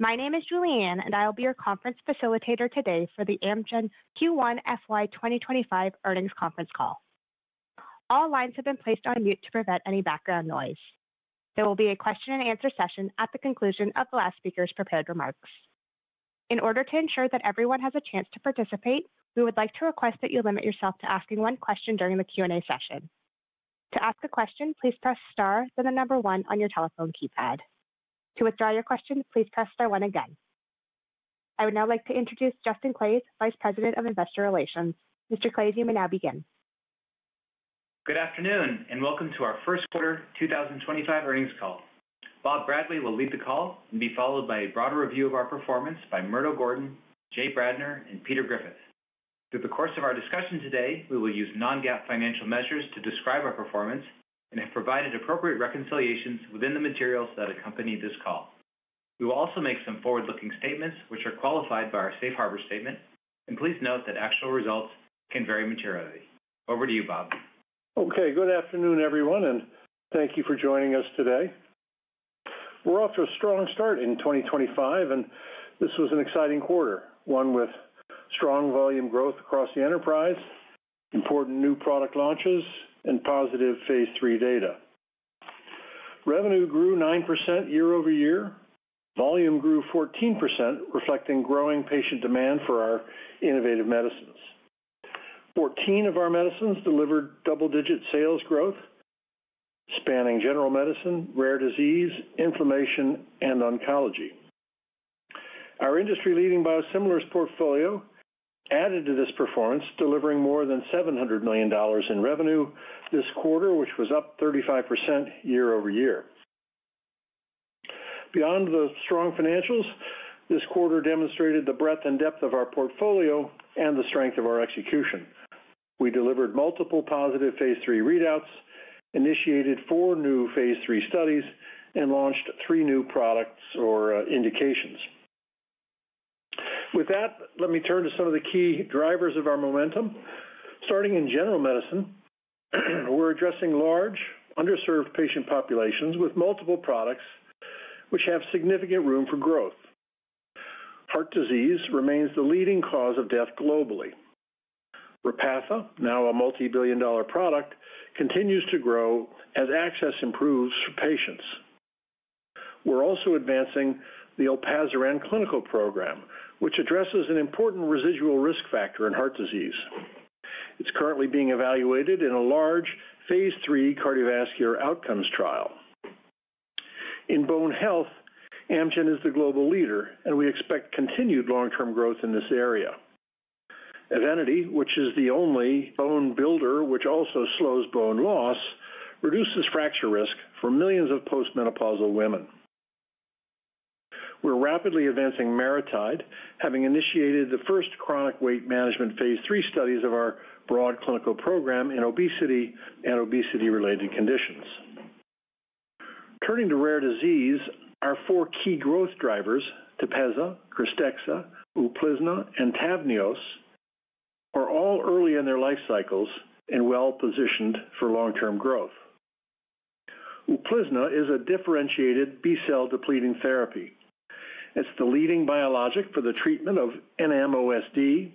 My name is Julianne, and I'll be your conference facilitator today for the Amgen Q1 FY 2025 Earnings Conference Call. All lines have been placed on mute to prevent any background noise. There will be a question-and-answer session at the conclusion of the last speaker's prepared remarks. In order to ensure that everyone has a chance to participate, we would like to request that you limit yourself to asking one question during the Q&A session. To ask a question, please press star, then the number one on your telephone keypad. To withdraw your question, please press star one again. I would now like to introduce Justin Claeys, Vice President of Investor Relations. Mr. Claeys, you may now begin. Good afternoon, and welcome to our first quarter 2025 earnings call. Bob Bradway will lead the call and be followed by a broader review of our performance by Murdo Gordon, Jay Bradner, and Peter Griffith. Through the course of our discussion today, we will use non-GAAP financial measures to describe our performance and have provided appropriate reconciliations within the materials that accompany this call. We will also make some forward-looking statements, which are qualified by our safe harbor statement. Please note that actual results can vary materially. Over to you, Bob. Okay, good afternoon, everyone, and thank you for joining us today. We're off to a strong start in 2025, and this was an exciting quarter, one with strong volume growth across the enterprise, important new product launches, and positive phase III data. Revenue grew 9% year-over-year. Volume grew 14%, reflecting growing patient demand for our innovative medicines. 14 of our medicines delivered double-digit sales growth, spanning general medicine, rare disease, inflammation, and oncology. Our industry-leading biosimilars portfolio added to this performance, delivering more than $700 million in revenue this quarter, which was up 35% year-over-year. Beyond the strong financials, this quarter demonstrated the breadth and depth of our portfolio and the strength of our execution. We delivered multiple positive phase III readouts, initiated four new phase III studies, and launched three new products or indications. With that, let me turn to some of the key drivers of our momentum. Starting in general medicine, we're addressing large, underserved patient populations with multiple products, which have significant room for growth. Heart disease remains the leading cause of death globally. Repatha, now a multi-billion dollar product, continues to grow as access improves for patients. We're also advancing the olpasiran clinical program, which addresses an important residual risk factor in heart disease. It's currently being evaluated in a large phase III cardiovascular outcomes trial. In bone health, Amgen is the global leader, and we expect continued long-term growth in this area. Evenity, which is the only bone builder, which also slows bone loss, reduces fracture risk for millions of postmenopausal women. We're rapidly advancing MariTide, having initiated the first chronic weight management phase III studies of our broad clinical program in obesity and obesity-related conditions. Turning to rare disease, our four key growth drivers, Tepezza, Krystexxa, Uplizna, and Tavneos, are all early in their life cycles and well-positioned for long-term growth. Uplizna is a differentiated B-cell depleting therapy. It's the leading biologic for the treatment of NMOSD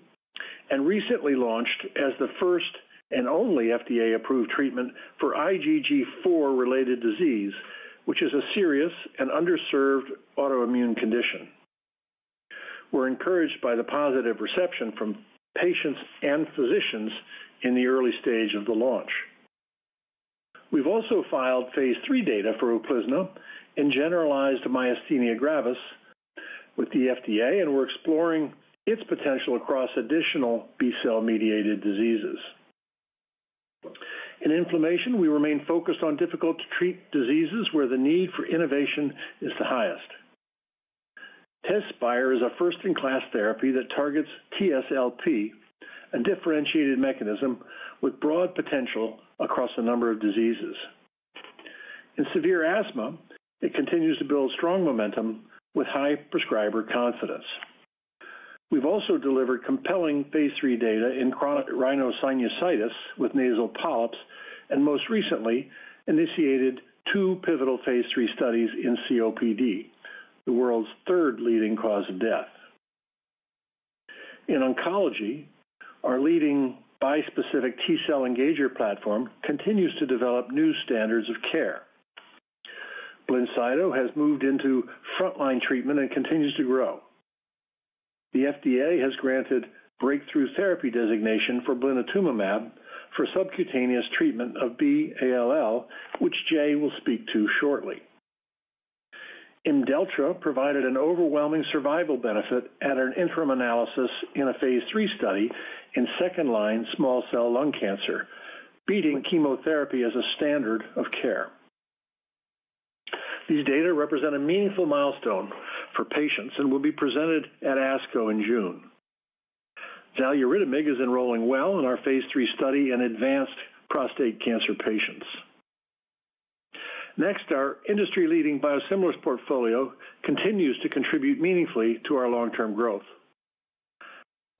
and recently launched as the first and only FDA-approved treatment for IgG4-related disease, which is a serious and underserved autoimmune condition. We're encouraged by the positive reception from patients and physicians in the early stage of the launch. We've also filed phase III data for Uplizna in generalized myasthenia gravis with the FDA, and we're exploring its potential across additional B-cell-mediated diseases. In inflammation, we remain focused on difficult-to-treat diseases where the need for innovation is the highest. Tezspire is a first-in-class therapy that targets TSLP, a differentiated mechanism with broad potential across a number of diseases. In severe asthma, it continues to build strong momentum with high prescriber confidence. We've also delivered compelling phase III data in chronic rhinosinusitis with nasal polyps and most recently initiated two pivotal phase III studies in COPD, the world's third leading cause of death. In oncology, our leading bispecific T-cell engager platform continues to develop new standards of care. Blincyto has moved into frontline treatment and continues to grow. The FDA has granted breakthrough therapy designation for blinatumomab for subcutaneous treatment of B-ALL, which Jay will speak to shortly. Imdelltra provided an overwhelming survival benefit at an interim analysis in a phase III study in second-line small cell lung cancer, beating chemotherapy as a standard of care. These data represent a meaningful milestone for patients and will be presented at ASCO in June. Xaluritamig is enrolling well in our phase III study in advanced prostate cancer patients. Next, our industry-leading biosimilars portfolio continues to contribute meaningfully to our long-term growth.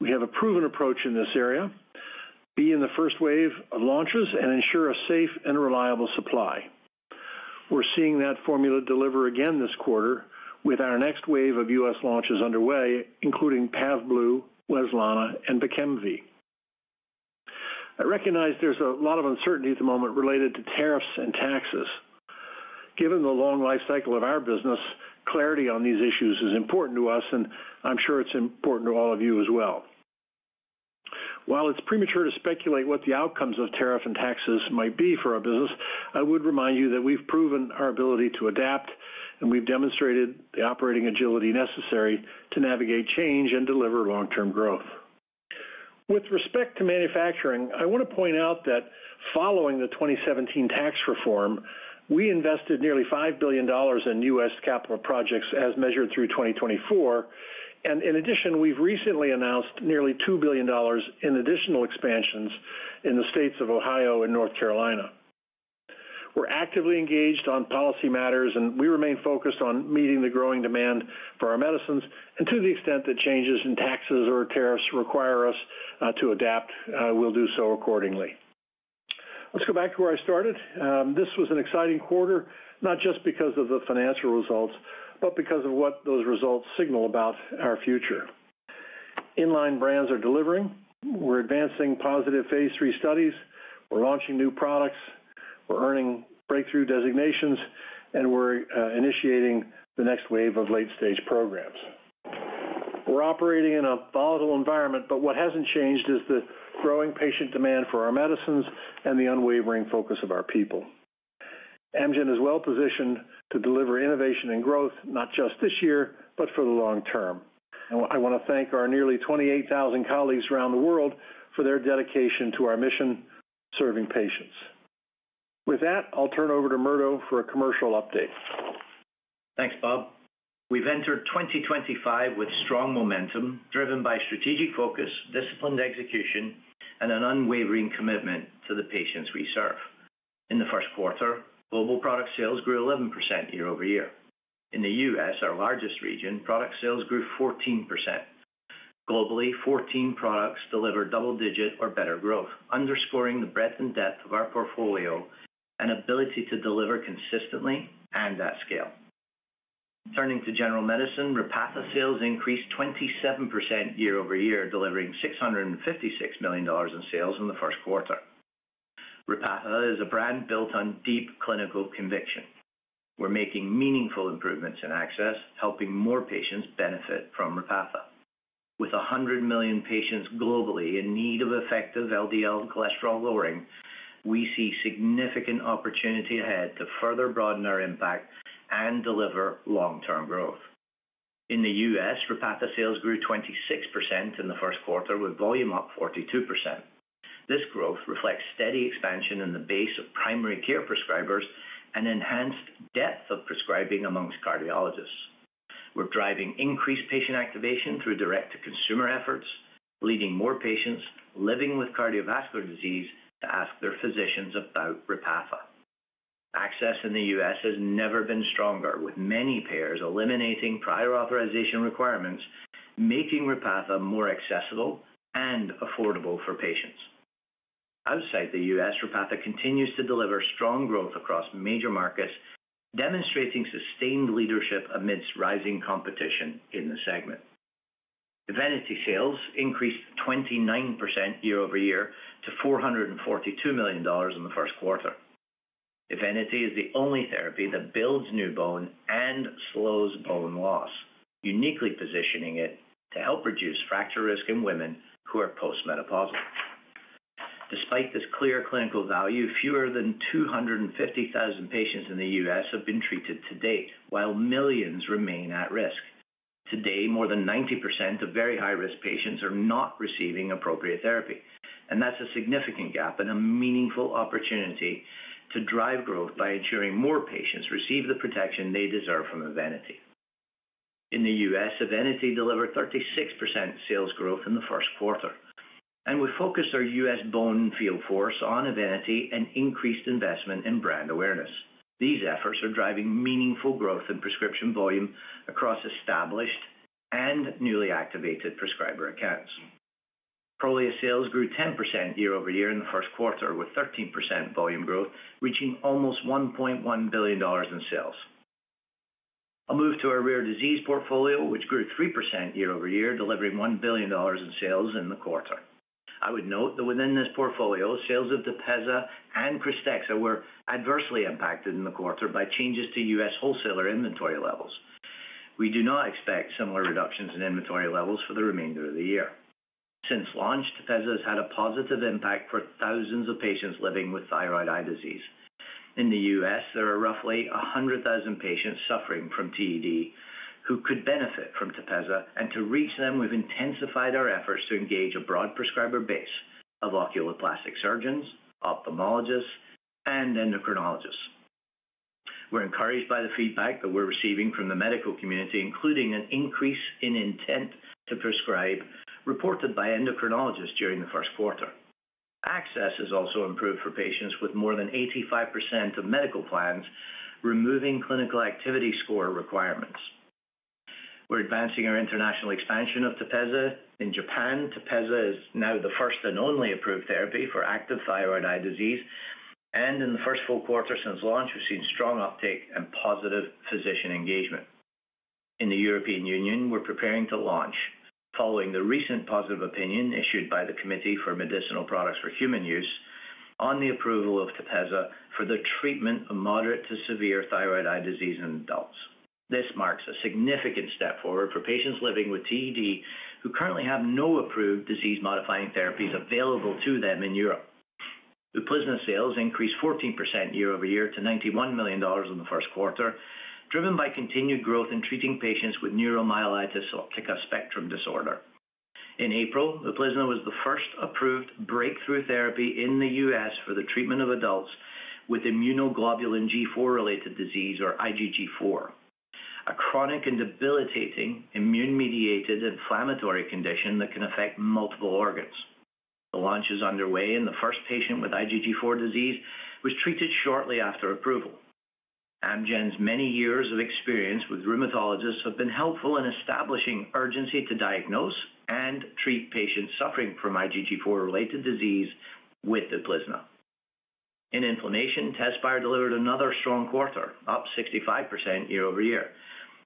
We have a proven approach in this area: be in the first wave of launches and ensure a safe and reliable supply. We're seeing that formula deliver again this quarter with our next wave of U.S. launches underway, including Pavblu, Wezlana, and Bkemv. I recognize there's a lot of uncertainty at the moment related to tariffs and taxes. Given the long life cycle of our business, clarity on these issues is important to us, and I'm sure it's important to all of you as well. While it's premature to speculate what the outcomes of tariff and taxes might be for our business, I would remind you that we've proven our ability to adapt, and we've demonstrated the operating agility necessary to navigate change and deliver long-term growth. With respect to manufacturing, I want to point out that following the 2017 tax reform, we invested nearly $5 billion in U.S. capital projects as measured through 2024. In addition, we've recently announced nearly $2 billion in additional expansions in the states of Ohio and North Carolina. We're actively engaged on policy matters, and we remain focused on meeting the growing demand for our medicines. To the extent that changes in taxes or tariffs require us to adapt, we'll do so accordingly. Let's go back to where I started. This was an exciting quarter, not just because of the financial results, but because of what those results signal about our future. Inline brands are delivering. We're advancing positive phase III studies. We're launching new products. We're earning breakthrough designations, and we're initiating the next wave of late-stage programs. We're operating in a volatile environment, but what hasn't changed is the growing patient demand for our medicines and the unwavering focus of our people. Amgen is well positioned to deliver innovation and growth, not just this year, but for the long term. I want to thank our nearly 28,000 colleagues around the world for their dedication to our mission, serving patients. With that, I'll turn over to Murdo for a commercial update. Thanks, Bob. We've entered 2025 with strong momentum driven by strategic focus, disciplined execution, and an unwavering commitment to the patients we serve. In the first quarter, global product sales grew 11% year-over-year. In the U.S., our largest region, product sales grew 14%. Globally, 14 products delivered double-digit or better growth, underscoring the breadth and depth of our portfolio and ability to deliver consistently and at scale. Turning to general medicine, Repatha sales increased 27% year-over-year, delivering $656 million in sales in the first quarter. Repatha is a brand built on deep clinical conviction. We're making meaningful improvements in access, helping more patients benefit from Repatha. With 100 million patients globally in need of effective LDL cholesterol lowering, we see significant opportunity ahead to further broaden our impact and deliver long-term growth. In the U.S., Repatha sales grew 26% in the first quarter, with volume up 42%. This growth reflects steady expansion in the base of primary care prescribers and enhanced depth of prescribing amongst cardiologists. We're driving increased patient activation through direct-to-consumer efforts, leading more patients living with cardiovascular disease to ask their physicians about Repatha. Access in the U.S. has never been stronger, with many payers eliminating prior authorization requirements, making Repatha more accessible and affordable for patients. Outside the U.S., Repatha continues to deliver strong growth across major markets, demonstrating sustained leadership amidst rising competition in the segment. Evenity sales increased 29% year-over-year to $442 million in the first quarter. Evenity is the only therapy that builds new bone and slows bone loss, uniquely positioning it to help reduce fracture risk in women who are postmenopausal. Despite this clear clinical value, fewer than 250,000 patients in the U.S. have been treated to date, while millions remain at risk. Today, more than 90% of very high-risk patients are not receiving appropriate therapy. That is a significant gap and a meaningful opportunity to drive growth by ensuring more patients receive the protection they deserve from Evenity. In the U.S., Evenity delivered 36% sales growth in the first quarter. We focused our U.S. bone field force on Evenity and increased investment in brand awareness. These efforts are driving meaningful growth in prescription volume across established and newly activated prescriber accounts. Prolia sales grew 10% year-over-year in the first quarter, with 13% volume growth, reaching almost $1.1 billion in sales. I'll move to our rare disease portfolio, which grew 3% year-over-year, delivering $1 billion in sales in the quarter. I would note that within this portfolio, sales of Tepezza and Krystexxa were adversely impacted in the quarter by changes to U.S. wholesaler inventory levels. We do not expect similar reductions in inventory levels for the remainder of the year. Since launch, Tepezza has had a positive impact for thousands of patients living with thyroid eye disease. In the U.S., there are roughly 100,000 patients suffering from TED who could benefit from Tepezza, and to reach them, we've intensified our efforts to engage a broad prescriber base of oculoplastic surgeons, ophthalmologists, and endocrinologists. We're encouraged by the feedback that we're receiving from the medical community, including an increase in intent to prescribe reported by endocrinologists during the first quarter. Access has also improved for patients with more than 85% of medical plans, removing clinical activity score requirements. We're advancing our international expansion of Tepezza in Japan. Tepezza is now the first and only approved therapy for active thyroid eye disease. In the first full quarter since launch, we've seen strong uptake and positive physician engagement. In the European Union, we're preparing to launch, following the recent positive opinion issued by the Committee for Medicinal Products for Human Use on the approval of Tepezza for the treatment of moderate to severe thyroid eye disease in adults. This marks a significant step forward for patients living with TED who currently have no approved disease-modifying therapies available to them in Europe. Uplizna sales increased 14% year-over-year to $91 million in the first quarter, driven by continued growth in treating patients with neuromyelitis optica spectrum disorder. In April, Uplizna was the first approved breakthrough therapy in the U.S. for the treatment of adults with immunoglobulin G4-related disease, or IgG4, a chronic and debilitating immune-mediated inflammatory condition that can affect multiple organs. The launch is underway, and the first patient with IgG4 disease was treated shortly after approval. Amgen's many years of experience with rheumatologists have been helpful in establishing urgency to diagnose and treat patients suffering from IgG4-related disease with Uplizna. In inflammation, Tezspire delivered another strong quarter, up 65% year-over-year.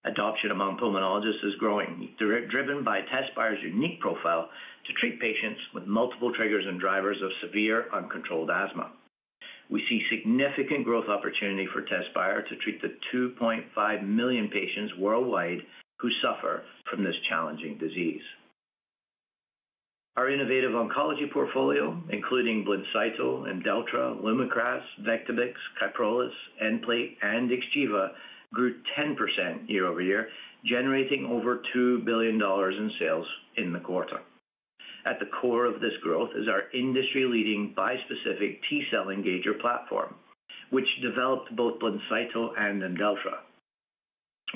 Adoption among pulmonologists is growing, driven by Tezspire's unique profile to treat patients with multiple triggers and drivers of severe uncontrolled asthma. We see significant growth opportunity for Tezspire to treat the 2.5 million patients worldwide who suffer from this challenging disease. Our innovative oncology portfolio, including Blincyto, Imdelltra, Lumakras, Vectibix, Kyprolis, Nplate, and Xgeva, grew 10% year-over-year, generating over $2 billion in sales in the quarter. At the core of this growth is our industry-leading bispecific T-cell engager platform, which developed both Blincyto and Imdelltra.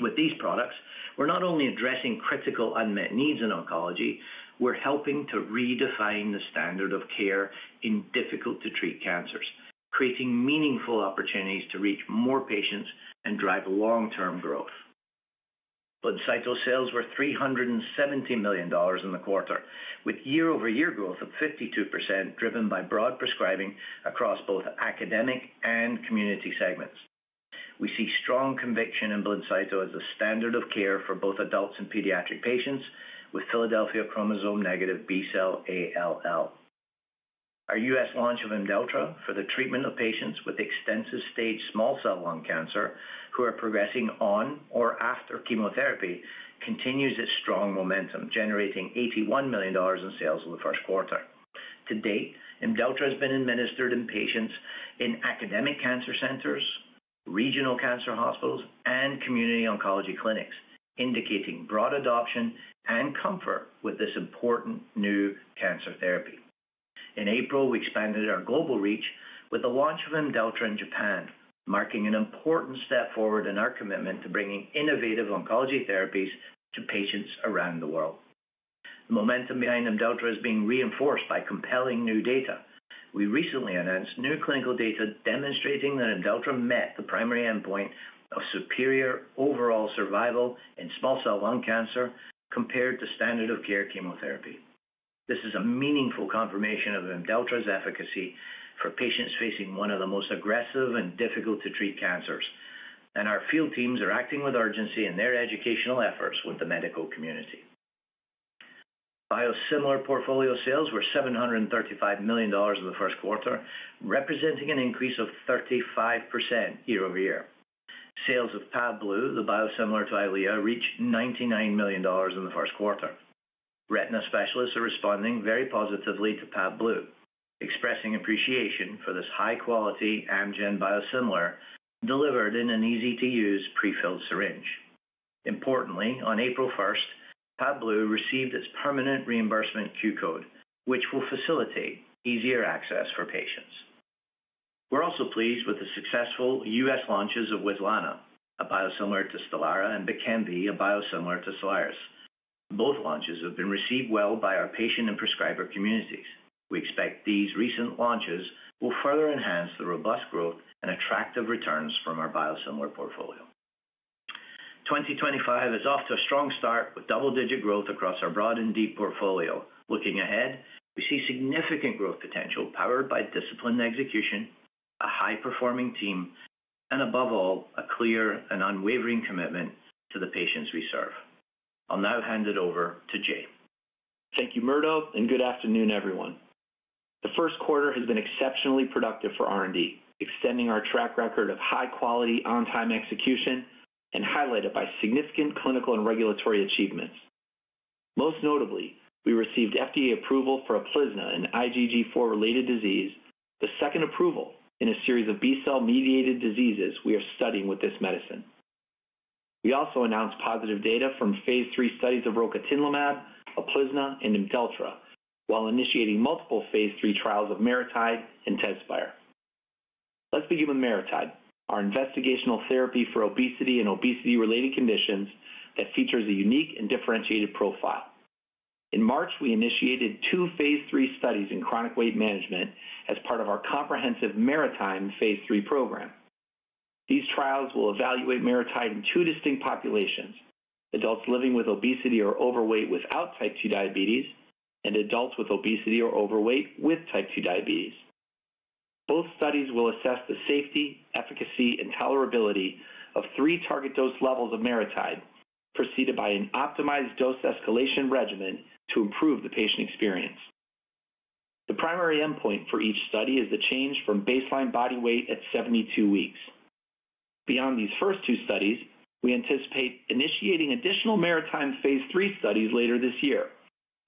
With these products, we're not only addressing critical unmet needs in oncology, we're helping to redefine the standard of care in difficult-to-treat cancers, creating meaningful opportunities to reach more patients and drive long-term growth. Blincyto sales were $370 million in the quarter, with year-over-year growth of 52%, driven by broad prescribing across both academic and community segments. We see strong conviction in Blincyto as a standard of care for both adults and pediatric patients with Philadelphia chromosome-negative B-cell ALL. Our U.S. launch of Imdelltra for the treatment of patients with extensive stage small cell lung cancer who are progressing on or after chemotherapy continues its strong momentum, generating $81 million in sales in the first quarter. To date, Imdelltra has been administered in patients in academic cancer centers, regional cancer hospitals, and community oncology clinics, indicating broad adoption and comfort with this important new cancer therapy. In April, we expanded our global reach with the launch of Imdelltra in Japan, marking an important step forward in our commitment to bringing innovative oncology therapies to patients around the world. The momentum behind Imdelltra is being reinforced by compelling new data. We recently announced new clinical data demonstrating that Imdelltra met the primary endpoint of superior overall survival in small cell lung cancer compared to standard-of-care chemotherapy. This is a meaningful confirmation of Imdelltra's efficacy for patients facing one of the most aggressive and difficult-to-treat cancers. Our field teams are acting with urgency in their educational efforts with the medical community. Biosimilar portfolio sales were $735 million in the first quarter, representing an increase of 35% year-over-year. Sales of Pavblu, the biosimilar to Eylea, reached $99 million in the first quarter. Retina specialists are responding very positively to Pavblu, expressing appreciation for this high-quality Amgen biosimilar delivered in an easy-to-use prefilled syringe. Importantly, on April 1, Pavblu received its permanent reimbursement Q-code, which will facilitate easier access for patients. We're also pleased with the successful U.S. launches of Wezlana, a biosimilar to Stelara, and Bkemv, a biosimilar to Soliris. Both launches have been received well by our patient and prescriber communities. We expect these recent launches will further enhance the robust growth and attractive returns from our biosimilar portfolio. 2025 is off to a strong start with double-digit growth across our broad and deep portfolio. Looking ahead, we see significant growth potential powered by discipline and execution, a high-performing team, and above all, a clear and unwavering commitment to the patients we serve. I'll now hand it over to Jay. Thank you, Murdo, and good afternoon, everyone. The first quarter has been exceptionally productive for R&D, extending our track record of high-quality, on-time execution and highlighted by significant clinical and regulatory achievements. Most notably, we received FDA approval for Uplizna in IgG4-related disease, the second approval in a series of B-cell-mediated diseases we are studying with this medicine. We also announced positive data from phase III studies of rocatinlimab, Uplizna, and Imdelltra, while initiating multiple phase III trials of MariTide and Tezspire. Let's begin with MariTide, our investigational therapy for obesity and obesity-related conditions that features a unique and differentiated profile. In March, we initiated two phase III studies in chronic weight management as part of our comprehensive MariTide phase III program. These trials will evaluate MariTide in two distinct populations: adults living with obesity or overweight without type 2 diabetes and adults with obesity or overweight with type 2 diabetes. Both studies will assess the safety, efficacy, and tolerability of three target dose levels of MariTide, preceded by an optimized dose escalation regimen to improve the patient experience. The primary endpoint for each study is the change from baseline body weight at 72 weeks. Beyond these first two studies, we anticipate initiating additional MariTide phase III studies later this year,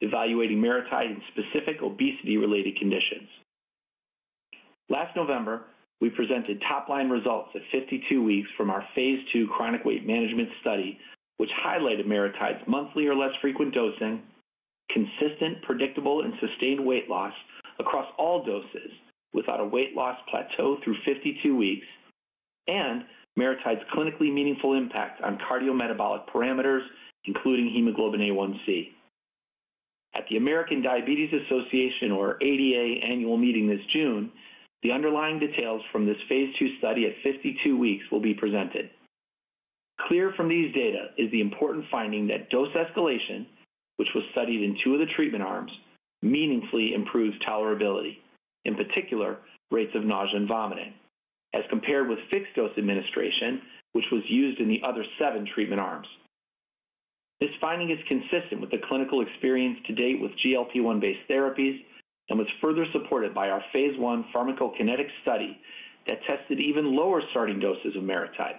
evaluating MariTide in specific obesity-related conditions. Last November, we presented top-line results at 52 weeks from our phase II chronic weight management study, which highlighted MariTide's monthly or less frequent dosing, consistent, predictable, and sustained weight loss across all doses without a weight loss plateau through 52 weeks, and MariTide's clinically meaningful impact on cardiometabolic parameters, including hemoglobin A1C. At the American Diabetes Association, or ADA, annual meeting this June, the underlying details from this phase II study at 52 weeks will be presented. Clear from these data is the important finding that dose escalation, which was studied in two of the treatment arms, meaningfully improves tolerability, in particular, rates of nausea and vomiting, as compared with fixed dose administration, which was used in the other seven treatment arms. This finding is consistent with the clinical experience to date with GLP-1-based therapies and was further supported by our phase I pharmacokinetic study that tested even lower starting doses of MariTide.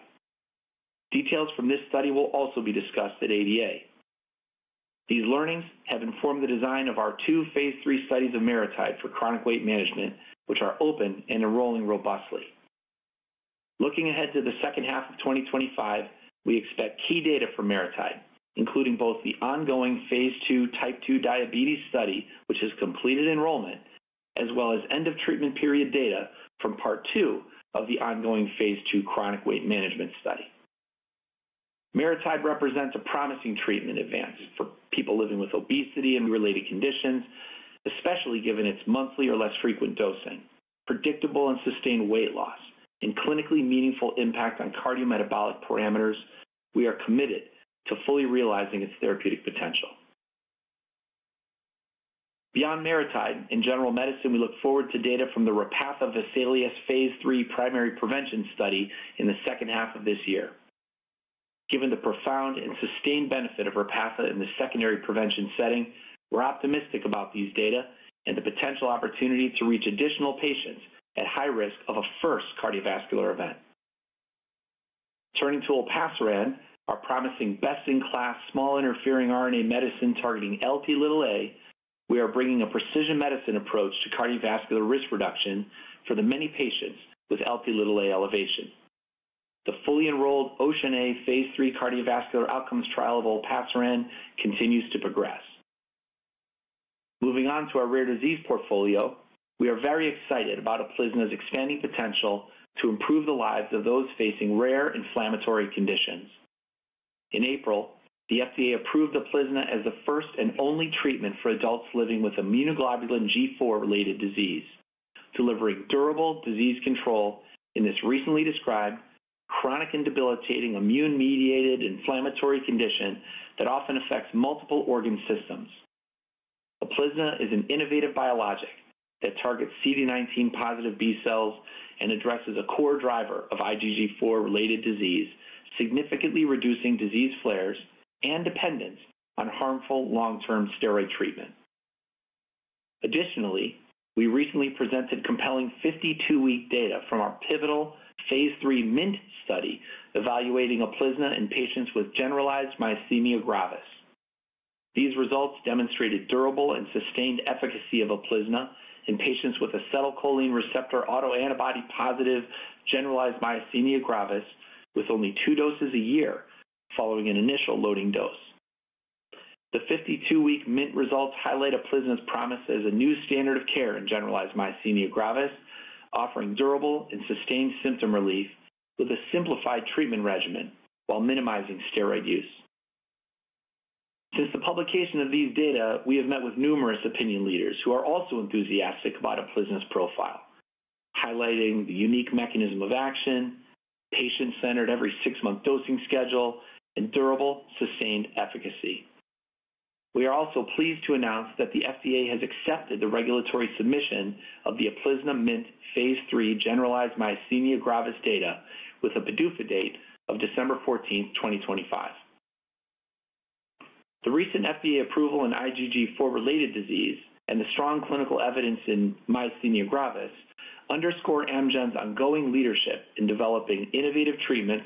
Details from this study will also be discussed at ADA. These learnings have informed the design of our two phase III studies of MariTide for chronic weight management, which are open and enrolling robustly. Looking ahead to the second half of 2025, we expect key data for MariTide, including both the ongoing phase II type two diabetes study, which has completed enrollment, as well as end-of-treatment period data from part two of the ongoing phase II chronic weight management study. MariTide represents a promising treatment advance for people living with obesity and related conditions, especially given its monthly or less frequent dosing, predictable and sustained weight loss, and clinically meaningful impact on cardiometabolic parameters. We are committed to fully realizing its therapeutic potential. Beyond MariTide, in general medicine, we look forward to data from the Repatha Vesalius phase III primary prevention study in the second half of this year. Given the profound and sustained benefit of Repatha in the secondary prevention setting, we're optimistic about these data and the potential opportunity to reach additional patients at high risk of a first cardiovascular event. Turning to olpasiran, our promising best-in-class small interfering RNA medicine targeting Lp(a), we are bringing a precision medicine approach to cardiovascular risk reduction for the many patients with Lp(a) elevation. The fully enrolled OCEAN(a) phase III cardiovascular outcomes trial of olpasiran continues to progress. Moving on to our rare disease portfolio, we are very excited about Uplizna's expanding potential to improve the lives of those facing rare inflammatory conditions. In April, the FDA approved Uplizna as the first and only treatment for adults living with immunoglobulin G4-related disease, delivering durable disease control in this recently described chronic and debilitating immune-mediated inflammatory condition that often affects multiple organ systems. Uplizna is an innovative biologic that targets CD19-positive B-cells and addresses a core driver of IgG4-related disease, significantly reducing disease flares and dependence on harmful long-term steroid treatment. Additionally, we recently presented compelling 52-week data from our pivotal phase III MINT study evaluating Uplizna in patients with generalized myasthenia gravis. These results demonstrated durable and sustained efficacy of Uplizna in patients with acetylcholine receptor autoantibody-positive generalized myasthenia gravis with only two doses a year following an initial loading dose. The 52-week MINT results highlight Uplizna's promise as a new standard of care in generalized myasthenia gravis, offering durable and sustained symptom relief with a simplified treatment regimen while minimizing steroid use. Since the publication of these data, we have met with numerous opinion leaders who are also enthusiastic about Uplizna's profile, highlighting the unique mechanism of action, patient-centered every six-month dosing schedule, and durable sustained efficacy. We are also pleased to announce that the FDA has accepted the regulatory submission of the Uplizna MINT phase III generalized myasthenia gravis data with a PDUFA date of December 14, 2025. The recent FDA approval in IgG4-related disease and the strong clinical evidence in myasthenia gravis underscore Amgen's ongoing leadership in developing innovative treatments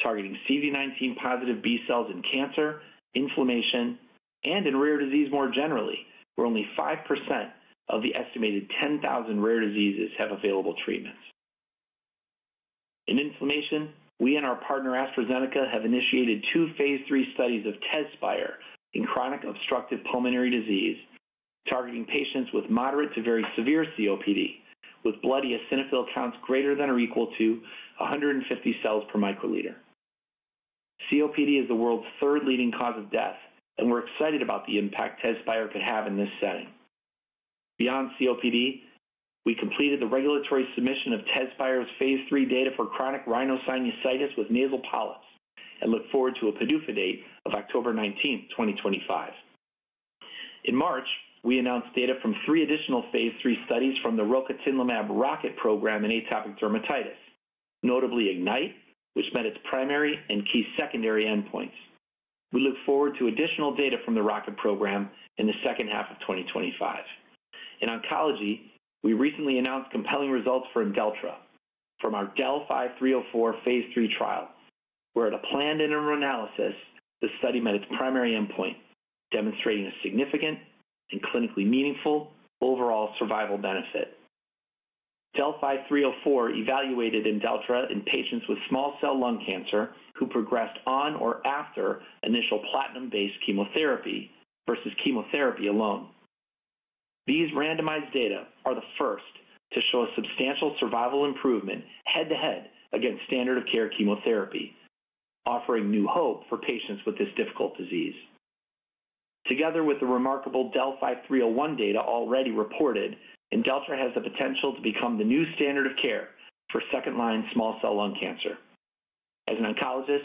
targeting CD19-positive B-cells in cancer, inflammation, and in rare disease more generally, where only 5% of the estimated 10,000 rare diseases have available treatments. In inflammation, we and our partner AstraZeneca have initiated two phase III studies of Tezspire in chronic obstructive pulmonary disease, targeting patients with moderate to very severe COPD, with blood eosinophil counts greater than or equal to 150 cells per microliter. COPD is the world's third leading cause of death, and we're excited about the impact Tezspire could have in this setting. Beyond COPD, we completed the regulatory submission of Tezspire's phase III data for chronic rhinosinusitis with nasal polyps and look forward to a PDUFA date of October 19, 2025. In March, we announced data from three additional phase III studies from the rocatinlimab ROCKET program in atopic dermatitis, notably IGNITE, which met its primary and key secondary endpoints. We look forward to additional data from the ROCKET program in the second half of 2025. In oncology, we recently announced compelling results for Imdelltra from our DEL-5304 phase III trial, where at a planned interim analysis, the study met its primary endpoint, demonstrating a significant and clinically meaningful overall survival benefit. DEL-5304 evaluated Imdelltra in patients with small cell lung cancer who progressed on or after initial platinum-based chemotherapy versus chemotherapy alone. These randomized data are the first to show a substantial survival improvement head-to-head against standard-of-care chemotherapy, offering new hope for patients with this difficult disease. Together with the remarkable DEL-5301 data already reported, Imdelltra has the potential to become the new standard of care for second-line small cell lung cancer. As an oncologist,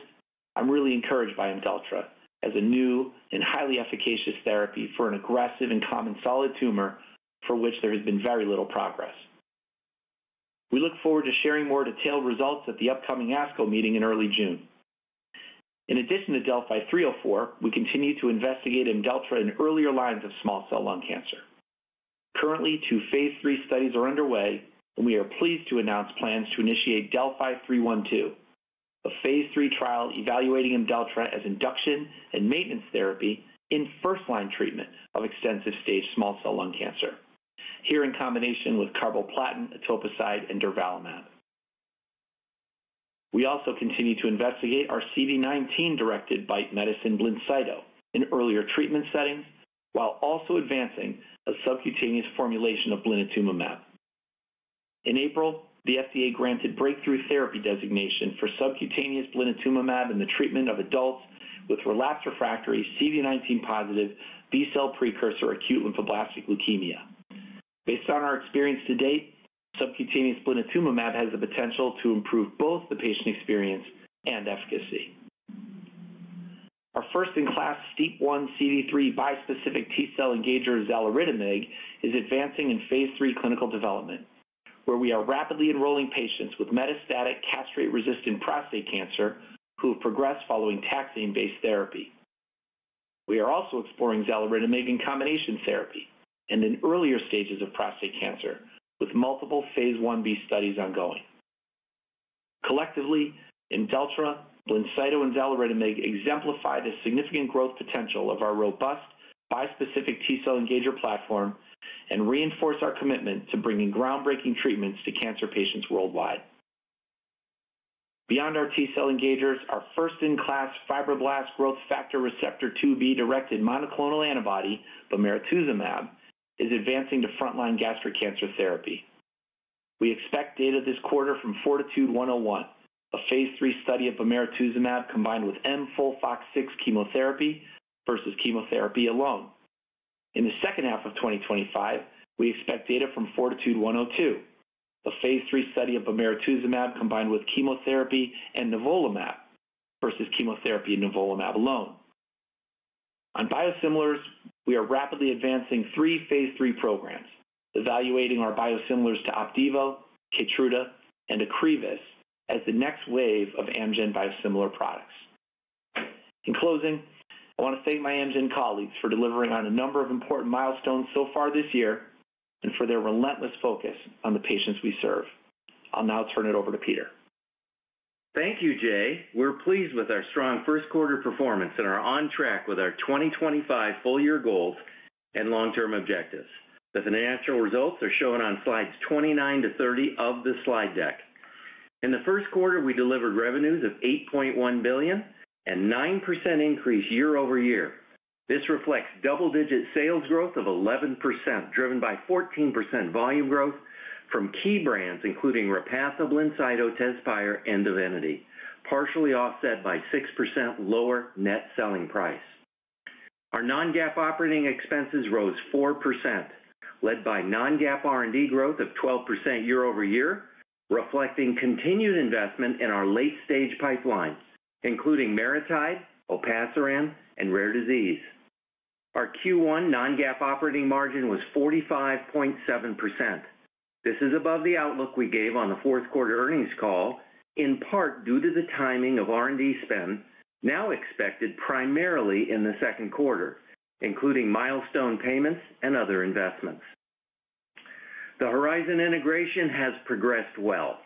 I'm really encouraged by Imdelltra as a new and highly efficacious therapy for an aggressive and common solid tumor for which there has been very little progress. We look forward to sharing more detailed results at the upcoming ASCO meeting in early June. In addition to DEL-5304, we continue to investigate Imdelltra in earlier lines of small cell lung cancer. Currently, two phase III studies are underway, and we are pleased to announce plans to initiate DEL-5312, a phase III trial evaluating Imdelltra as induction and maintenance therapy in first-line treatment of extensive stage small cell lung cancer, here in combination with carboplatin, etoposide, and durvalumab. We also continue to investigate our CD19-directed BiTE medicine Blincyto in earlier treatment settings, while also advancing a subcutaneous formulation of blinatumomab. In April, the FDA granted breakthrough therapy designation for subcutaneous blinatumomab in the treatment of adults with relapsed refractory CD19-positive B-cell precursor acute lymphoblastic leukemia. Based on our experience to date, subcutaneous blinatumomab has the potential to improve both the patient experience and efficacy. Our first-in-class STEAP1 CD3 bispecific T-cell engager Xaluritamig is advancing in phase III clinical development, where we are rapidly enrolling patients with metastatic castrate-resistant prostate cancer who have progressed following taxane-based therapy. We are also exploring Xaluritamig in combination therapy and in earlier stages of prostate cancer, with multiple phase I-B studies ongoing. Collectively, Imdelltra, Blincyto, and Xaluritamig exemplify the significant growth potential of our robust bispecific T-cell engager platform and reinforce our commitment to bringing groundbreaking treatments to cancer patients worldwide. Beyond our T-cell engagers, our first-in-class fibroblast growth factor receptor 2B-directed monoclonal antibody, bemarituzumab, is advancing to front-line gastric cancer therapy. We expect data this quarter from Fortitude 101, a phase III study of bemarituzumab combined with mFOLFOX6 chemotherapy versus chemotherapy alone. In the second half of 2025, we expect data from Fortitude 102, a phase III study of bemarituzumab combined with chemotherapy and nivolumab versus chemotherapy and nivolumab alone. On biosimilars, we are rapidly advancing three phase III programs, evaluating our biosimilars to Opdivo, Keytruda, and Ocrevus as the next wave of Amgen biosimilar products. In closing, I want to thank my Amgen colleagues for delivering on a number of important milestones so far this year and for their relentless focus on the patients we serve. I'll now turn it over to Peter. Thank you, Jay. We're pleased with our strong first quarter performance and are on track with our 2025 full-year goals and long-term objectives. The financial results are shown on slides 29-30 of the slide deck. In the first quarter, we delivered revenues of $8.1 billion and a 9% increase year-over-year. This reflects double-digit sales growth of 11%, driven by 14% volume growth from key brands, including Repatha, Blincyto, Tezspire, and Evenity, partially offset by a 6% lower net selling price. Our non-GAAP operating expenses rose 4%, led by non-GAAP R&D growth of 12% year-over-year, reflecting continued investment in our late-stage pipelines, including MariTide, olpasiran, and rare disease. Our Q1 non-GAAP operating margin was 45.7%. This is above the outlook we gave on the fourth quarter earnings call, in part due to the timing of R&D spend now expected primarily in the second quarter, including milestone payments and other investments. The Horizon integration has progressed well,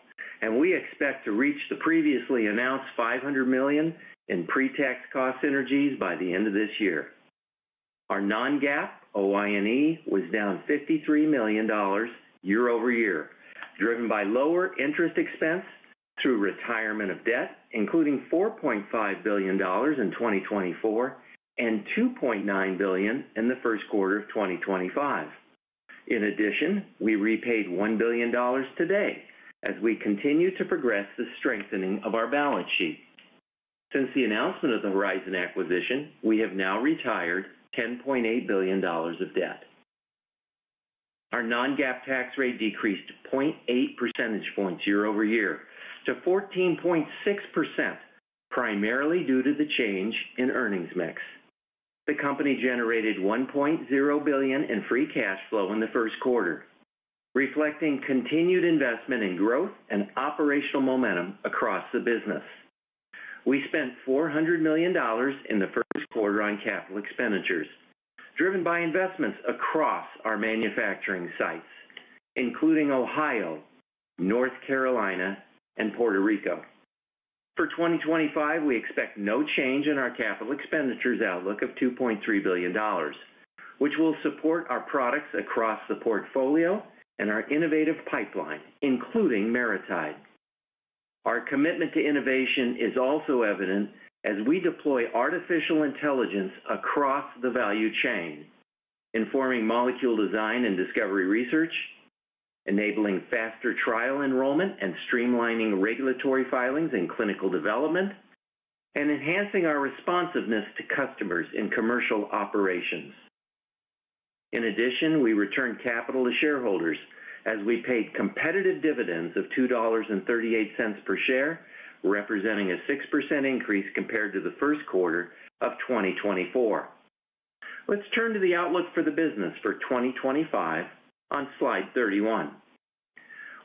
and we expect to reach the previously announced $500 million in pre-tax cost synergies by the end of this year. Our non-GAAP OI&E was down $53 million year-over-year, driven by lower interest expense through retirement of debt, including $4.5 billion in 2024 and $2.9 billion in the first quarter of 2025. In addition, we repaid $1 billion today as we continue to progress the strengthening of our balance sheet. Since the announcement of the Horizon acquisition, we have now retired $10.8 billion of debt. Our non-GAAP tax rate decreased 0.8 percentage points year-over-year to 14.6%, primarily due to the change in earnings mix. The company generated $1.0 billion in free cash flow in the first quarter, reflecting continued investment in growth and operational momentum across the business. We spent $400 million in the first quarter on capital expenditures, driven by investments across our manufacturing sites, including Ohio, North Carolina, and Puerto Rico. For 2025, we expect no change in our capital expenditures outlook of $2.3 billion, which will support our products across the portfolio and our innovative pipeline, including MariTide. Our commitment to innovation is also evident as we deploy artificial intelligence across the value chain, informing molecule design and discovery research, enabling faster trial enrollment and streamlining regulatory filings and clinical development, and enhancing our responsiveness to customers in commercial operations. In addition, we returned capital to shareholders as we paid competitive dividends of $2.38 per share, representing a 6% increase compared to the first quarter of 2024. Let's turn to the outlook for the business for 2025 on slide 31.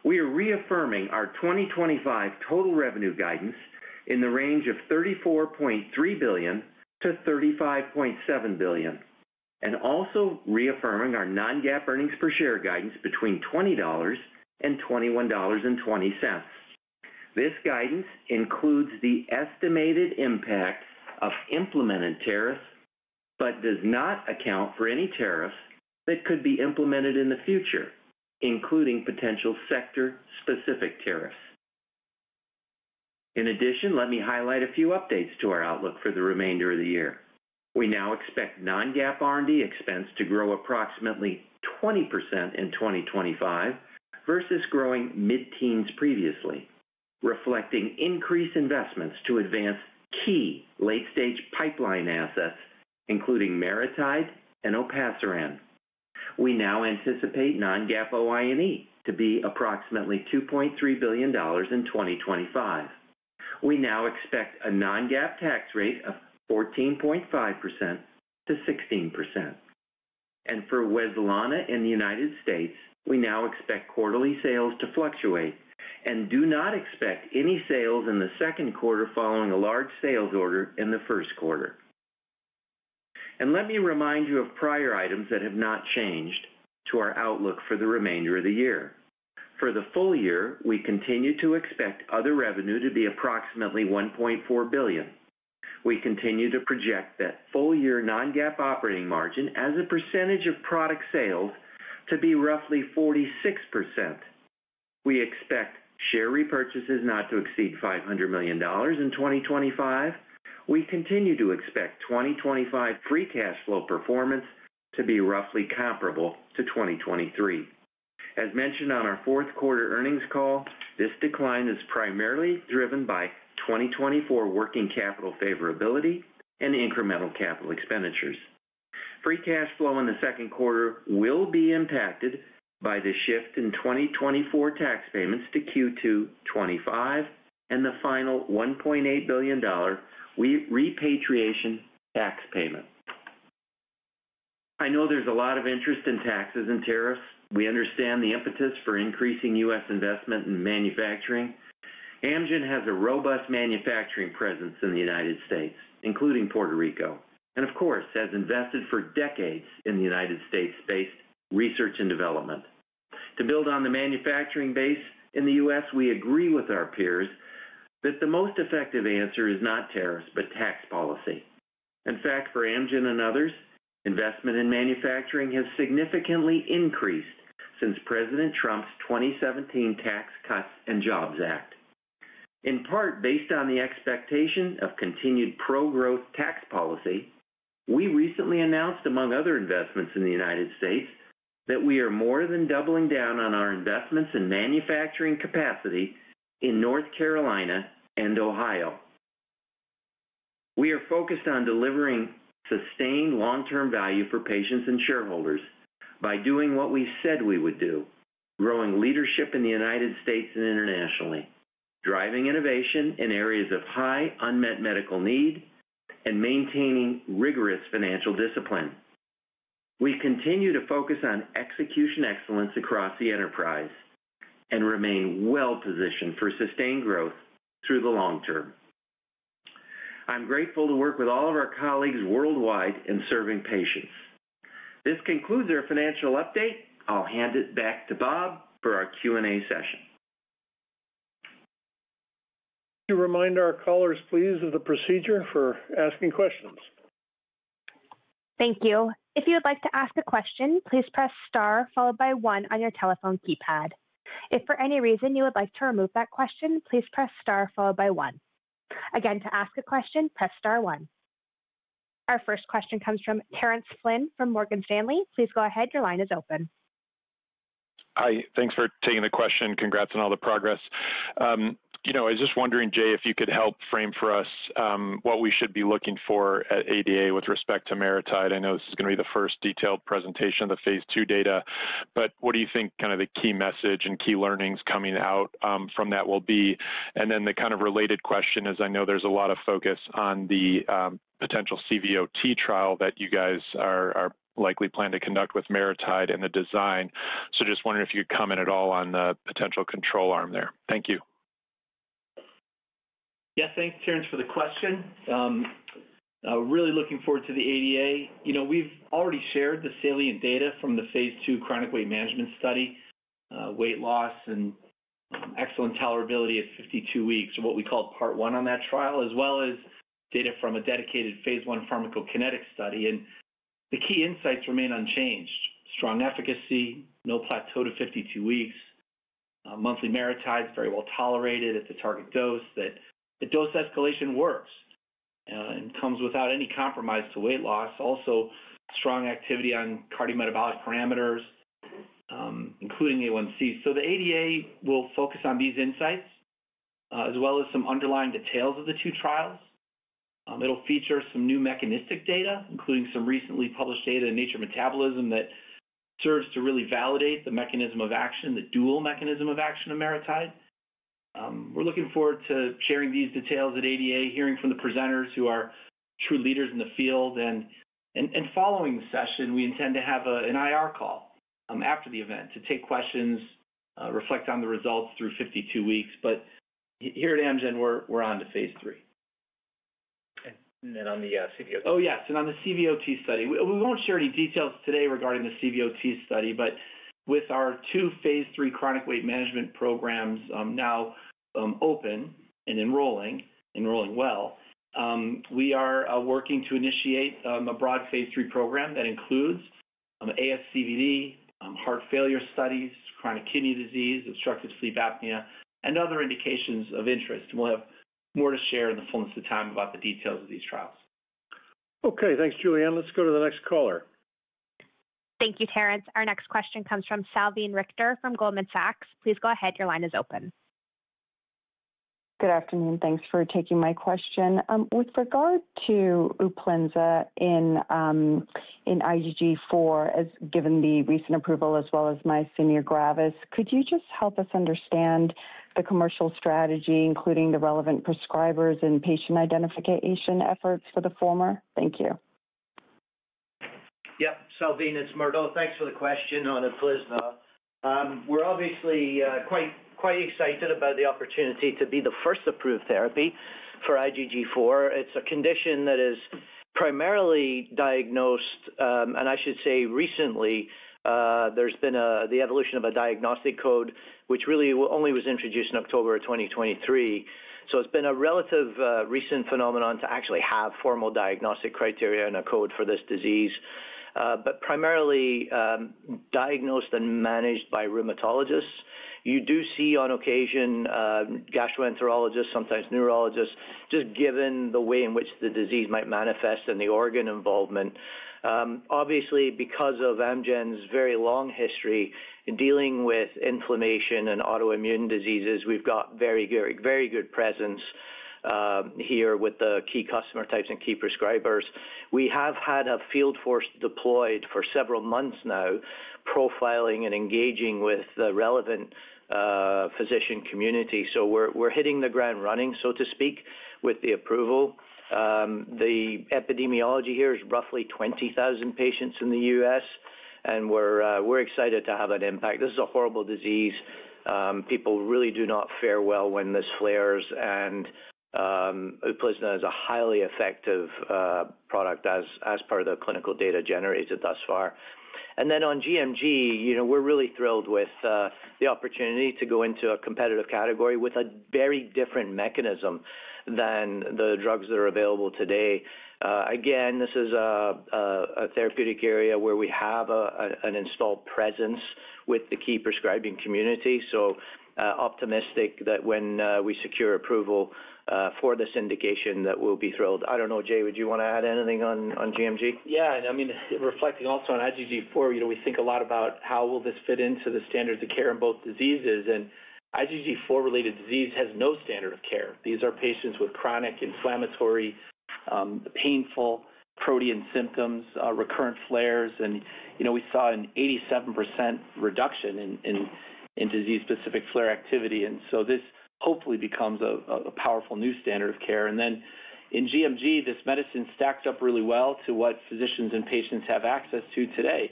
We are reaffirming our 2025 total revenue guidance in the range of $34.3 billion-$35.7 billion, and also reaffirming our non-GAAP earnings per share guidance between $20 and $21.20. This guidance includes the estimated impact of implemented tariffs but does not account for any tariffs that could be implemented in the future, including potential sector-specific tariffs. In addition, let me highlight a few updates to our outlook for the remainder of the year. We now expect non-GAAP R&D expense to grow approximately 20% in 2025 versus growing mid-teens previously, reflecting increased investments to advance key late-stage pipeline assets, including MariTide and olpasiran. We now anticipate non-GAAP OI&E to be approximately $2.3 billion in 2025. We now expect a non-GAAP tax rate of 14.5%-16%. For Wezlana in the United States, we now expect quarterly sales to fluctuate and do not expect any sales in the second quarter following a large sales order in the first quarter. Let me remind you of prior items that have not changed to our outlook for the remainder of the year. For the full year, we continue to expect other revenue to be approximately $1.4 billion. We continue to project that full-year non-GAAP operating margin as a percentage of product sales to be roughly 46%. We expect share repurchases not to exceed $500 million in 2025. We continue to expect 2025 free cash flow performance to be roughly comparable to 2023. As mentioned on our fourth quarter earnings call, this decline is primarily driven by 2024 working capital favorability and incremental capital expenditures. Free cash flow in the second quarter will be impacted by the shift in 2024 tax payments to Q2 2025 and the final $1.8 billion repatriation tax payment. I know there's a lot of interest in taxes and tariffs. We understand the impetus for increasing U.S. investment in manufacturing. Amgen has a robust manufacturing presence in the United States, including Puerto Rico, and of course, has invested for decades in United States-based research and development. To build on the manufacturing base in the U.S., we agree with our peers that the most effective answer is not tariffs but tax policy. In fact, for Amgen and others, investment in manufacturing has significantly increased since President Trump's 2017 Tax Cuts and Jobs Act. In part, based on the expectation of continued pro-growth tax policy, we recently announced, among other investments in the United States, that we are more than doubling down on our investments in manufacturing capacity in North Carolina and Ohio. We are focused on delivering sustained long-term value for patients and shareholders by doing what we said we would do: growing leadership in the United States and internationally, driving innovation in areas of high unmet medical need, and maintaining rigorous financial discipline. We continue to focus on execution excellence across the enterprise and remain well-positioned for sustained growth through the long term. I'm grateful to work with all of our colleagues worldwide in serving patients. This concludes our financial update. I'll hand it back to Bob for our Q&A session. To remind our callers, please, of the procedure for asking questions. Thank you. If you would like to ask a question, please press star followed by one on your telephone keypad. If for any reason you would like to remove that question, please press star followed by one. Again, to ask a question, press star one. Our first question comes from Terence Flynn from Morgan Stanley. Please go ahead. Your line is open. Hi. Thanks for taking the question. Congrats on all the progress. You know, I was just wondering, Jay, if you could help frame for us what we should be looking for at ADA with respect to MariTide. I know this is going to be the first detailed presentation of the phase II data, but what do you think kind of the key message and key learnings coming out from that will be? The kind of related question is, I know there's a lot of focus on the potential CVOT trial that you guys are likely planning to conduct with MariTide and the design. Just wondering if you could comment at all on the potential control arm there. Thank you. Yes, thanks, Terence, for the question. Really looking forward to the ADA. You know, we've already shared the salient data from the phase II chronic weight management study, weight loss and excellent tolerability at 52 weeks, or what we called part one on that trial, as well as data from a dedicated phase I pharmacokinetic study. The key insights remain unchanged: strong efficacy, no plateau to 52 weeks, monthly MariTide is very well tolerated at the target dose, that the dose escalation works and comes without any compromise to weight loss. Also, strong activity on cardiometabolic parameters, including A1C. The ADA will focus on these insights as well as some underlying details of the two trials. It'll feature some new mechanistic data, including some recently published data in Nature Metabolism that serves to really validate the mechanism of action, the dual mechanism of action of MariTide. We're looking forward to sharing these details at ADA, hearing from the presenters who are true leaders in the field. Following the session, we intend to have an IR call after the event to take questions, reflect on the results through 52 weeks. Here at Amgen, we're on to phase III. On the CVOT. Oh, yes. On the CVOT study, we won't share any details today regarding the CVOT study, but with our two phase III chronic weight management programs now open and enrolling, enrolling well, we are working to initiate a broad phase III program that includes ASCVD, heart failure studies, chronic kidney disease, obstructive sleep apnea, and other indications of interest. We'll have more to share in the fullness of time about the details of these trials. Okay. Thanks, Julianne. Let's go to the next caller. Thank you, Terence. Our next question comes from Salveen Richter from Goldman Sachs. Please go ahead. Your line is open. Good afternoon. Thanks for taking my question. With regard to Uplizna in IgG4, given the recent approval as well as myasthenia gravis, could you just help us understand the commercial strategy, including the relevant prescribers and patient identification efforts for the former? Thank you. Yep. Salveen, it's Murdo. Thanks for the question on Uplizna. We're obviously quite excited about the opportunity to be the first approved therapy for IgG4. It's a condition that is primarily diagnosed, and I should say recently, there's been the evolution of a diagnostic code, which really only was introduced in October of 2023. It's been a relatively recent phenomenon to actually have formal diagnostic criteria and a code for this disease, but primarily diagnosed and managed by rheumatologists. You do see on occasion gastroenterologists, sometimes neurologists, just given the way in which the disease might manifest and the organ involvement. Obviously, because of Amgen's very long history in dealing with inflammation and autoimmune diseases, we've got very, very, very good presence here with the key customer types and key prescribers. We have had a field force deployed for several months now, profiling and engaging with the relevant physician community. We are hitting the ground running, so to speak, with the approval. The epidemiology here is roughly 20,000 patients in the U.S., and we're excited to have an impact. This is a horrible disease. People really do not fare well when this flares, and Uplizna is a highly effective product as part of the clinical data generated thus far. And then on GMG, you know, we're really thrilled with the opportunity to go into a competitive category with a very different mechanism than the drugs that are available today. Again, this is a therapeutic area where we have an installed presence with the key prescribing community. Optimistic that when we secure approval for this indication, that we'll be thrilled. I don't know, Jay, would you want to add anything on GMG? Yeah. I mean, reflecting also on IgG4, you know, we think a lot about how will this fit into the standards of care in both diseases. IgG4-related disease has no standard of care. These are patients with chronic inflammatory, painful protein symptoms, recurrent flares. You know, we saw an 87% reduction in disease-specific flare activity. This hopefully becomes a powerful new standard of care. In GMG, this medicine stacked up really well to what physicians and patients have access to today.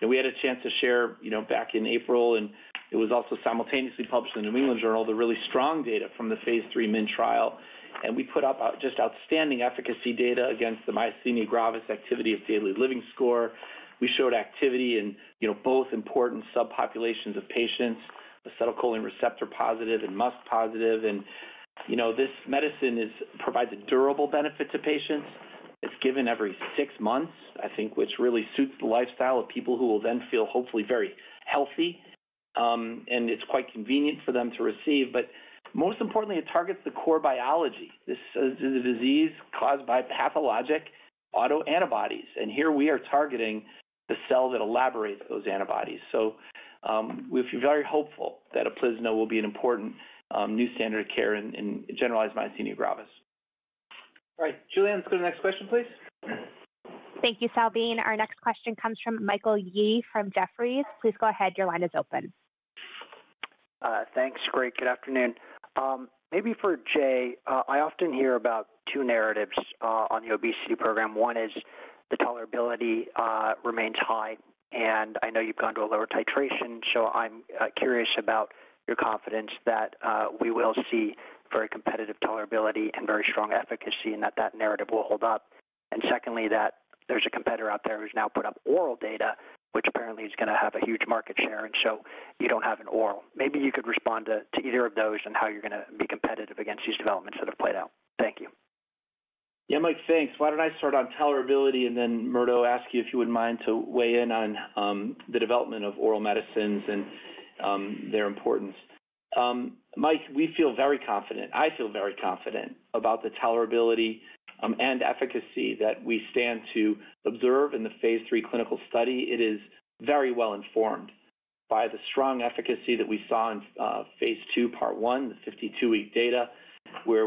You know, we had a chance to share, you know, back in April, and it was also simultaneously published in the New England Journal, the really strong data from the phase III MINT trial. We put up just outstanding efficacy data against the myasthenia gravis activity of daily living score. We showed activity in, you know, both important subpopulations of patients, acetylcholine receptor positive and MuSK-positive. You know, this medicine provides a durable benefit to patients. It's given every six months, I think, which really suits the lifestyle of people who will then feel hopefully very healthy. It's quite convenient for them to receive. Most importantly, it targets the core biology. This is a disease caused by pathologic autoantibodies. And here we are targeting the cell that elaborates those antibodies. We are very hopeful that Uplizna will be an important new standard of care in generalized myasthenia gravis. .All right. Julianne, let's go to the next question, please. Thank you, Salveen. Our next question comes from Michael Yee from Jefferies. Please go ahead. Your line is open. Thanks. Great. Good afternoon. Maybe for Jay, I often hear about two narratives on the obesity program. One is the tolerability remains high, and I know you've gone to a lower titration. I am curious about your confidence that we will see very competitive tolerability and very strong efficacy and that that narrative will hold up. Secondly, there is a competitor out there who has now put up oral data, which apparently is going to have a huge market share. You do not have an oral. Maybe you could respond to either of those and how you're going to be competitive against these developments that have played out. Thank you. Yeah, Mike, thanks. Why don't I start on tolerability and then Murdo, ask you if you wouldn't mind to weigh in on the development of oral medicines and their importance. Mike, we feel very confident. I feel very confident about the tolerability and efficacy that we stand to observe in the phase III clinical study. It is very well informed by the strong efficacy that we saw in phase II, part one, the 52-week data, where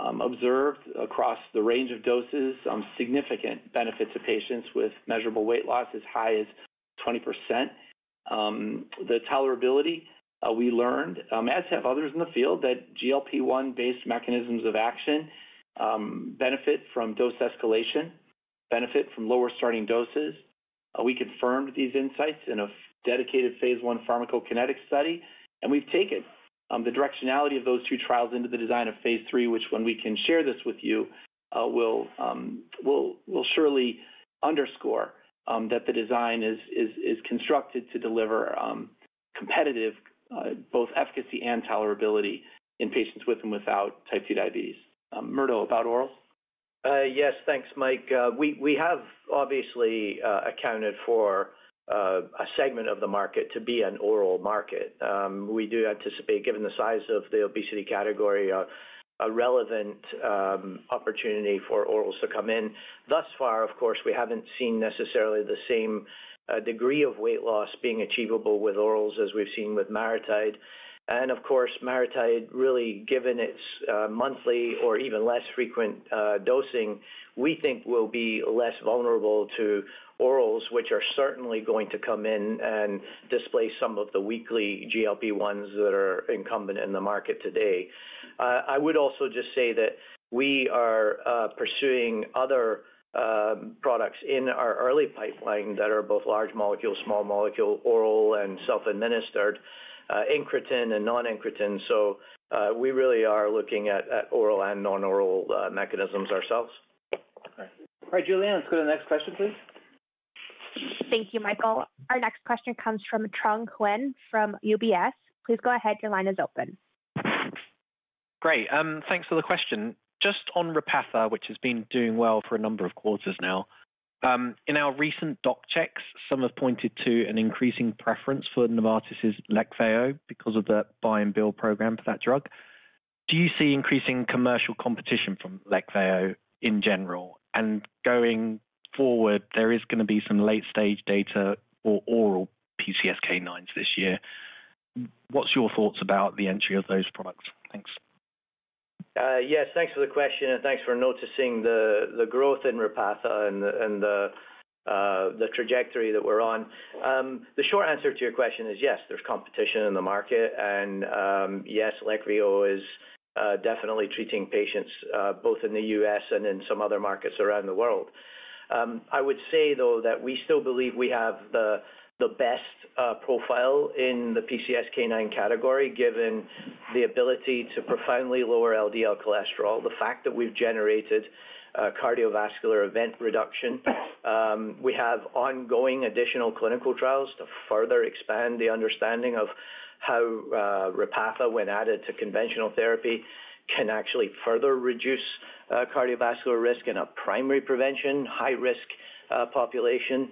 we observed across the range of doses significant benefits to patients with measurable weight loss as high as 20%. The tolerability, we learned, as have others in the field, that GLP-1-based mechanisms of action benefit from dose escalation, benefit from lower starting doses. We confirmed these insights in a dedicated phase I pharmacokinetic study. We have taken the directionality of those two trials into the design of phase III, which, when we can share this with you, will surely underscore that the design is constructed to deliver competitive both efficacy and tolerability in patients with and without type 2 diabetes. Murdo, about orals? Yes, thanks, Mike. We have obviously accounted for a segment of the market to be an oral market. We do anticipate, given the size of the obesity category, a relevant opportunity for orals to come in. Thus far, of course, we have not seen necessarily the same degree of weight loss being achievable with orals as we have seen with MariTide. Of course, MariTide, really given its monthly or even less frequent dosing, we think will be less vulnerable to orals, which are certainly going to come in and displace some of the weekly GLP-1s that are incumbent in the market today. I would also just say that we are pursuing other products in our early pipeline that are both large molecule, small molecule, oral and self-administered, incretin and non-incretin. We really are looking at oral and non-oral mechanisms ourselves. All right. All right, Julianne, let's go to the next question, please. Thank you, Michael. Our next question comes from Trung Huynh from UBS. Please go ahead. Your line is open. Great. Thanks for the question. Just on Repatha, which has been doing well for a number of quarters now, in our recent doc checks, some have pointed to an increasing preference for Novartis' Leqvio because of the buy-and-build program for that drug. Do you see increasing commercial competition from Leqvio in general? Going forward, there is going to be some late-stage data for oral PCSK9 this year. What's your thoughts about the entry of those products? Thanks. Yes, thanks for the question and thanks for noticing the growth in Repatha and the trajectory that we're on. The short answer to your question is yes, there's competition in the market. Yes, Leqvio is definitely treating patients both in the U.S. and in some other markets around the world. I would say, though, that we still believe we have the best profile in the PCSK9 category given the ability to profoundly lower LDL cholesterol, the fact that we've generated cardiovascular event reduction. We have ongoing additional clinical trials to further expand the understanding of how Repatha, when added to conventional therapy, can actually further reduce cardiovascular risk in a primary prevention high-risk population.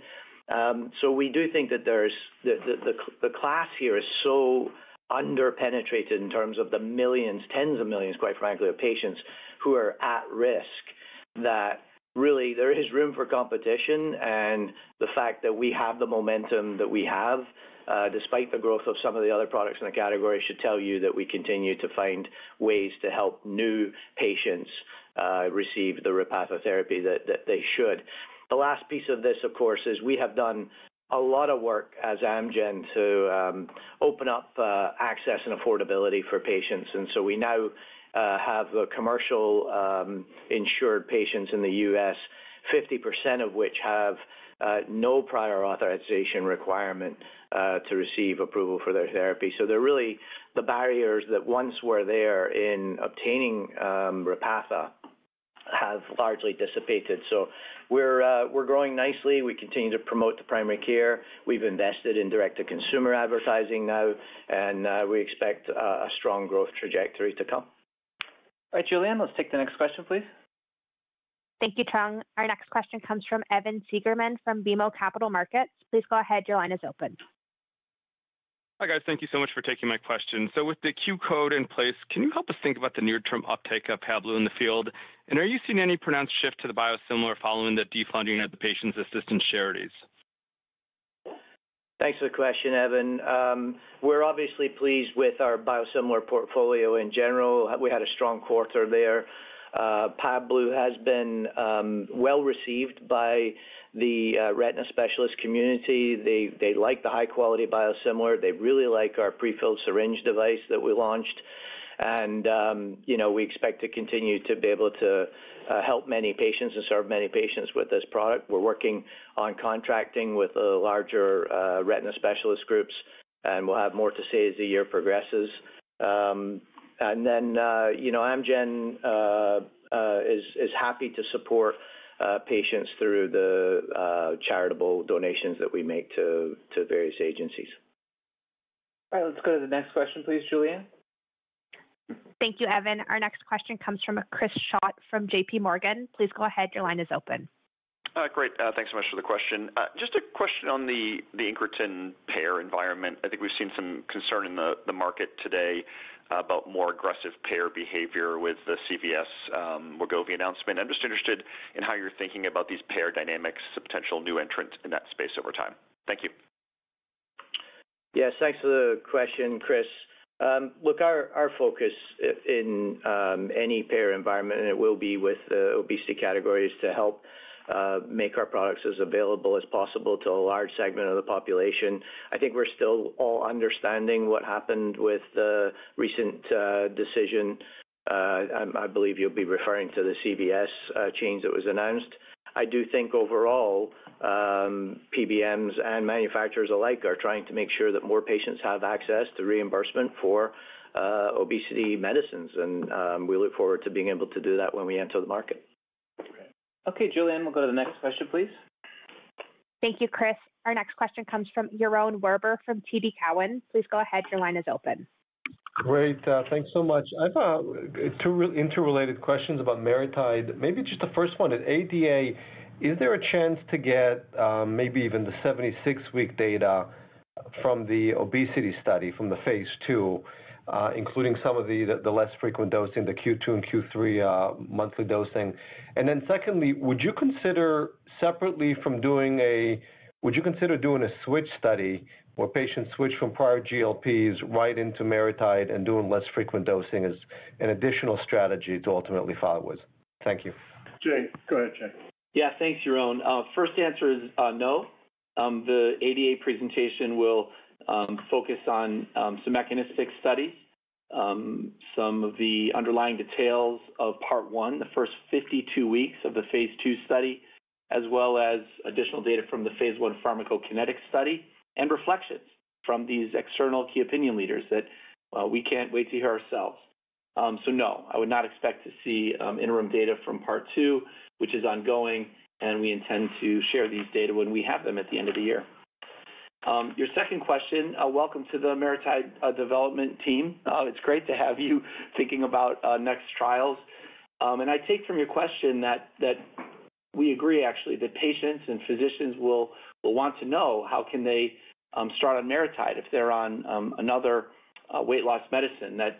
We do think that the class here is so underpenetrated in terms of the millions, tens of millions, quite frankly, of patients who are at risk, that really there is room for competition. The fact that we have the momentum that we have, despite the growth of some of the other products in the category, should tell you that we continue to find ways to help new patients receive the Repatha therapy that they should. The last piece of this, of course, is we have done a lot of work as Amgen to open up access and affordability for patients. We now have commercial insured patients in the U.S., 50% of which have no prior authorization requirement to receive approval for their therapy. They are really the barriers that once were there in obtaining Repatha have largely dissipated. We are growing nicely. We continue to promote the primary care. We have invested in direct-to-consumer advertising now, and we expect a strong growth trajectory to come. All right, Julianne, let's take the next question, please. Thank you, Chang. Our next question comes from Evan Siegerman from BMO Capital Markets. Please go ahead. Your line is open. Hi, guys. Thank you so much for taking my question. With the Q code in place, can you help us think about the near-term uptake of Pavblu in the field? Are you seeing any pronounced shift to the biosimilar following the defunding of the patient assistance charities? Thanks for the question, Evan. We're obviously pleased with our biosimilar portfolio in general. We had a strong quarter there. Pavblu has been well received by the retina specialist community. They like the high-quality biosimilar. They really like our prefilled syringe device that we launched. You know, we expect to continue to be able to help many patients and serve many patients with this product. We're working on contracting with the larger retina specialist groups, and we'll have more to say as the year progresses. You know, Amgen is happy to support patients through the charitable donations that we make to various agencies. All right, let's go to the next question, please, Julianne. Thank you, Evan. Our next question comes from Chris Schott from JPMorgan. Please go ahead. Your line is open. Great. Thanks so much for the question. Just a question on the incretin payer environment. I think we've seen some concern in the market today about more aggressive payer behavior with the CVS Wegovy announcement. I'm just interested in how you're thinking about these payer dynamics, the potential new entrants in that space over time. Thank you. Yes, thanks for the question, Chris. Look, our focus in any payer environment, and it will be with the obesity categories, is to help make our products as available as possible to a large segment of the population. I think we're still all understanding what happened with the recent decision. I believe you'll be referring to the CVS change that was announced. I do think overall, PBMs and manufacturers alike are trying to make sure that more patients have access to reimbursement for obesity medicines. We look forward to being able to do that when we enter the market. Okay, Julianne, we'll go to the next question, please. Thank you, Chris. Our next question comes from Yaron Werber from TD Cowen. Please go ahead. Your line is open. Great. Thanks so much. I have two interrelated questions about MariTide. Maybe just the first one is ADA. Is there a chance to get maybe even the 76-week data from the obesity study from the phase II, including some of the less frequent dosing, the Q2 and Q3 monthly dosing? Then secondly, would you consider separately from doing a—would you consider doing a switch study where patients switch from prior GLPs right into MariTide and doing less frequent dosing as an additional strategy to ultimately follow with? Thank you. Jay, go ahead, Jay. Yeah, thanks, Yaron. First answer is no. The ADA presentation will focus on some mechanistic studies, some of the underlying details of part one, the first 52 weeks of the phase II study, as well as additional data from the phase I pharmacokinetic study and reflections from these external key opinion leaders that we can't wait to hear ourselves. No, I would not expect to see interim data from part two, which is ongoing, and we intend to share these data when we have them at the end of the year. Your second question, welcome to the MariTide development team. It's great to have you thinking about next trials. I take from your question that we agree, actually, that patients and physicians will want to know how can they start on MariTide if they're on another weight loss medicine that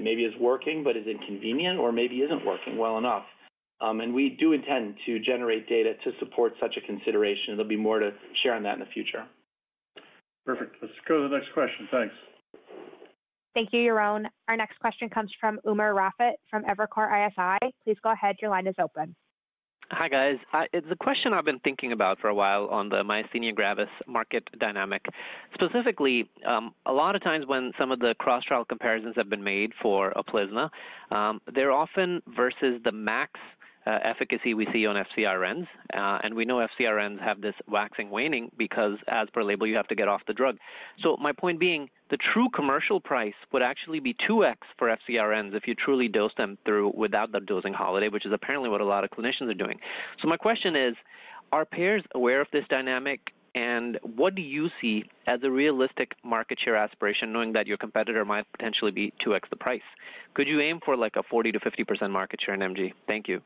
maybe is working but is inconvenient or maybe isn't working well enough. We do intend to generate data to support such a consideration. There'll be more to share on that in the future. Perfect. Let's go to the next question. Thanks. Thank you, Yaron. Our next question comes from Umer Raffat from Evercore ISI. Please go ahead. Your line is open. Hi, guys. It's a question I've been thinking about for a while on the myasthenia gravis market dynamic. Specifically, a lot of times when some of the cross-trial comparisons have been made for Uplizna, they're often versus the max efficacy we see on FcRn. We know FcRn have this waxing-waning because, as per label, you have to get off the drug. My point being, the true commercial price would actually be 2x for FcRn if you truly dose them through without the dosing holiday, which is apparently what a lot of clinicians are doing. My question is, are payers aware of this dynamic? What do you see as a realistic market share aspiration, knowing that your competitor might potentially be 2x the price? Could you aim for a 40%-50% market share in MG? Thank you.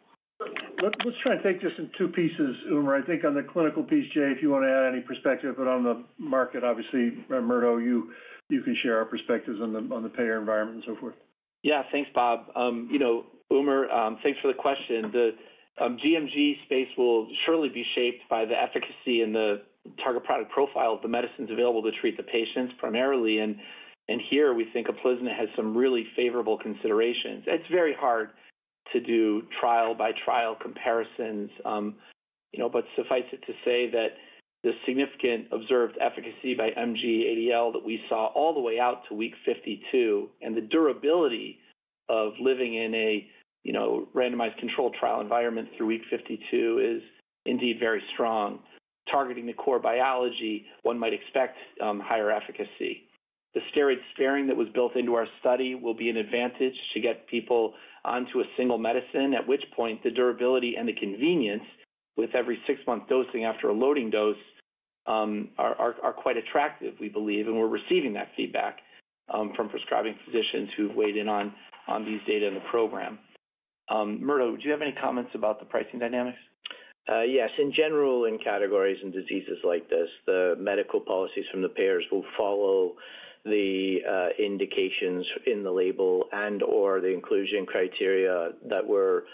Let's try and take this in two pieces, Umer. I think on the clinical piece, Jay, if you want to add any perspective. On the market, obviously, Murdo, you can share our perspectives on the payer environment and so forth. Yeah, thanks, Bob. You know, Umer, thanks for the question. The gMG space will surely be shaped by the efficacy and the target product profile of the medicines available to treat the patients primarily. Here, we think Uplizna has some really favorable considerations. It's very hard to do trial-by-trial comparisons, but suffice it to say that the significant observed efficacy by MG-ADL that we saw all the way out to week 52 and the durability of living in a randomized controlled trial environment through week 52 is indeed very strong. Targeting the core biology, one might expect higher efficacy. The steroid sparing that was built into our study will be an advantage to get people onto a single medicine, at which point the durability and the convenience with every six-month dosing after a loading dose are quite attractive, we believe. We're receiving that feedback from prescribing physicians who've weighed in on these data in the program. Murdo, do you have any comments about the pricing dynamics? Yes, in general, in categories and diseases like this, the medical policies from the payers will follow the indications in the label and/or the inclusion criteria that were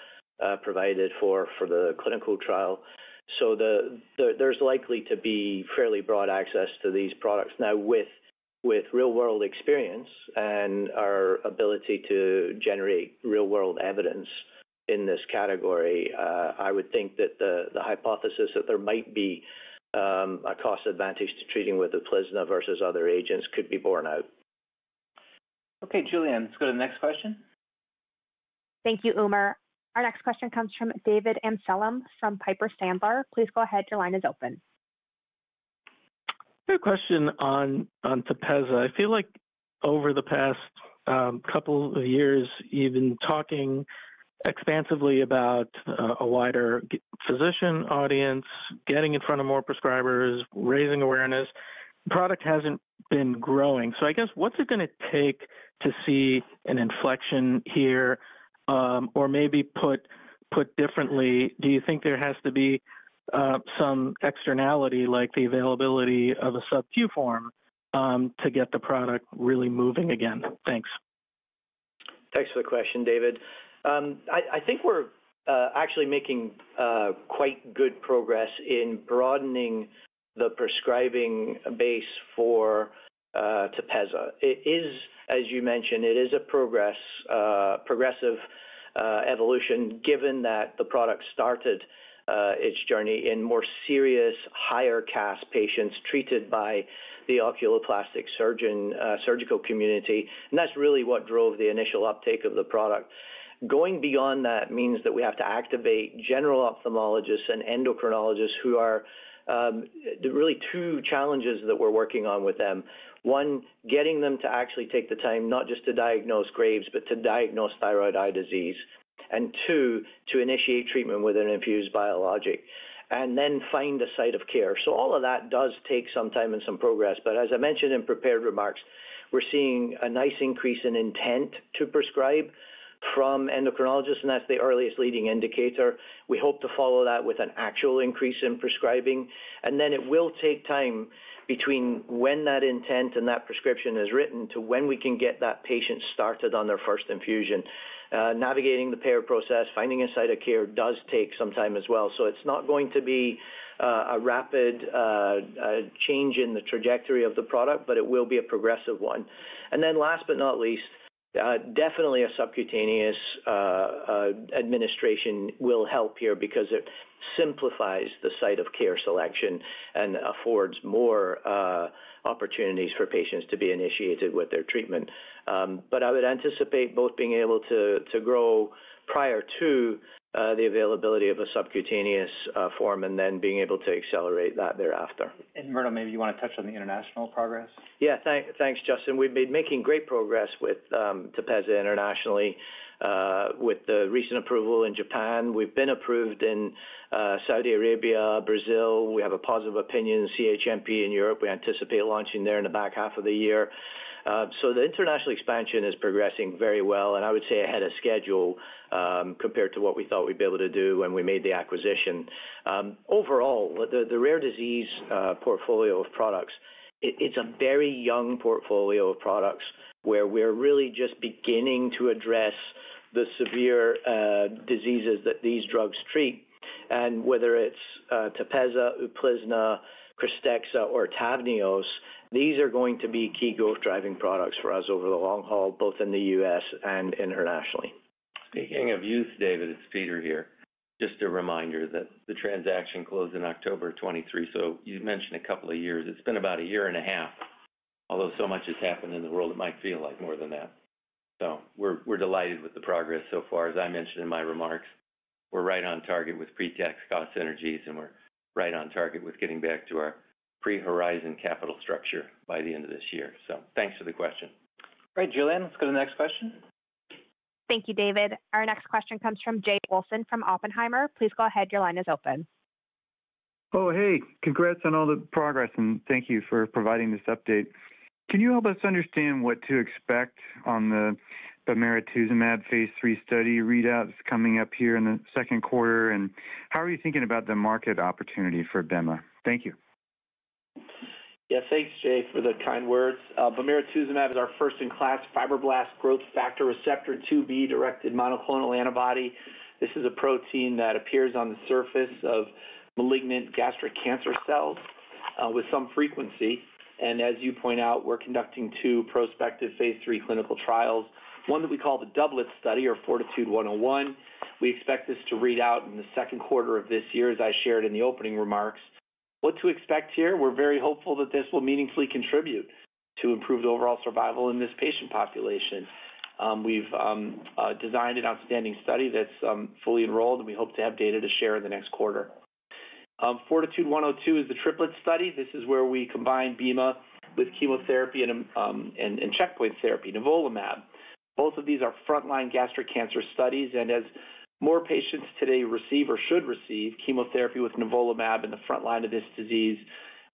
provided for the clinical trial. There is likely to be fairly broad access to these products. Now, with real-world experience and our ability to generate real-world evidence in this category, I would think that the hypothesis that there might be a cost advantage to treating with Uplizna versus other agents could be borne out. Okay, Julianne, let's go to the next question. Thank you, Umer. Our next question comes from David Amsellem from Piper Sandler. Please go ahead. Your line is open. Quick question on Tepezza. I feel like over the past couple of years, you've been talking expansively about a wider physician audience, getting in front of more prescribers, raising awareness. The product hasn't been growing. I guess, what's it going to take to see an inflection here? Maybe put differently, do you think there has to be some externality, like the availability of a subQ form, to get the product really moving again? Thanks. Thanks for the question, David. I think we're actually making quite good progress in broadening the prescribing base for Tepezza. It is, as you mentioned, a progressive evolution, given that the product started its journey in more serious higher-cost patients treated by the oculoplastic surgical community. That's really what drove the initial uptake of the product. Going beyond that means that we have to activate general ophthalmologists and endocrinologists, who are really two challenges that we're working on with them. One, getting them to actually take the time, not just to diagnose Graves, but to diagnose thyroid eye disease. To initiate treatment with an infused biologic and then find a site of care does take some time and some progress. As I mentioned in prepared remarks, we're seeing a nice increase in intent to prescribe from endocrinologists. That's the earliest leading indicator. We hope to follow that with an actual increase in prescribing. It will take time between when that intent and that prescription is written to when we can get that patient started on their first infusion. Navigating the payer process, finding a site of care does take some time as well. It is not going to be a rapid change in the trajectory of the product, but it will be a progressive one. Last but not least, definitely a subcutaneous administration will help here because it simplifies the site of care selection and affords more opportunities for patients to be initiated with their treatment. I would anticipate both being able to grow prior to the availability of a subcutaneous form and then being able to accelerate that thereafter. Murdo, maybe you want to touch on the international progress? Yeah, thanks, Justin. We've been making great progress with Tepezza internationally with the recent approval in Japan. We've been approved in Saudi Arabia, Brazil. We have a positive opinion in CHMP in Europe. We anticipate launching there in the back half of the year. The international expansion is progressing very well. I would say ahead of schedule compared to what we thought we'd be able to do when we made the acquisition. Overall, the rare disease portfolio of products, it's a very young portfolio of products where we're really just beginning to address the severe diseases that these drugs treat. Whether it's Tepezza, Uplizna, Krystexxa, or Tavneos, these are going to be key growth-driving products for us over the long haul, both in the U.S. and internationally. Speaking of youth, David, it's Peter here. Just a reminder that the transaction closed in October 2023. You mentioned a couple of years. It's been about a year and a half, although so much has happened in the world, it might feel like more than that. We're delighted with the progress so far. As I mentioned in my remarks, we're right on target with pre-tax cost synergies, and we're right on target with getting back to our pre-Horizon capital structure by the end of this year. Thanks for the question. All right, Julianne, let's go to the next question. Thank you, David. Our next question comes from Jay Olson from Oppenheimer. Please go ahead. Your line is open. Oh, hey. Congrats on all the progress, and thank you for providing this update. Can you help us understand what to expect on the bemarituzumab phase III study readouts coming up here in the second quarter? And how are you thinking about the market opportunity for BEMA? Thank you. Yeah, thanks, Jay, for the kind words. bemarituzumab is our first-in-class fibroblast growth factor receptor 2B-directed monoclonal antibody. This is a protein that appears on the surface of malignant gastric cancer cells with some frequency. As you point out, we're conducting two prospective phase III clinical trials, one that we call the Doublet study or Fortitude 101. We expect this to read out in the second quarter of this year, as I shared in the opening remarks. What to expect here? We're very hopeful that this will meaningfully contribute to improved overall survival in this patient population. We've designed an outstanding study that's fully enrolled, and we hope to have data to share in the next quarter. Fortitude 102 is the Triplet study. This is where we combine BEMA with chemotherapy and checkpoint therapy, nivolumab. Both of these are frontline gastric cancer studies. As more patients today receive or should receive chemotherapy with nivolumab in the front line of this disease,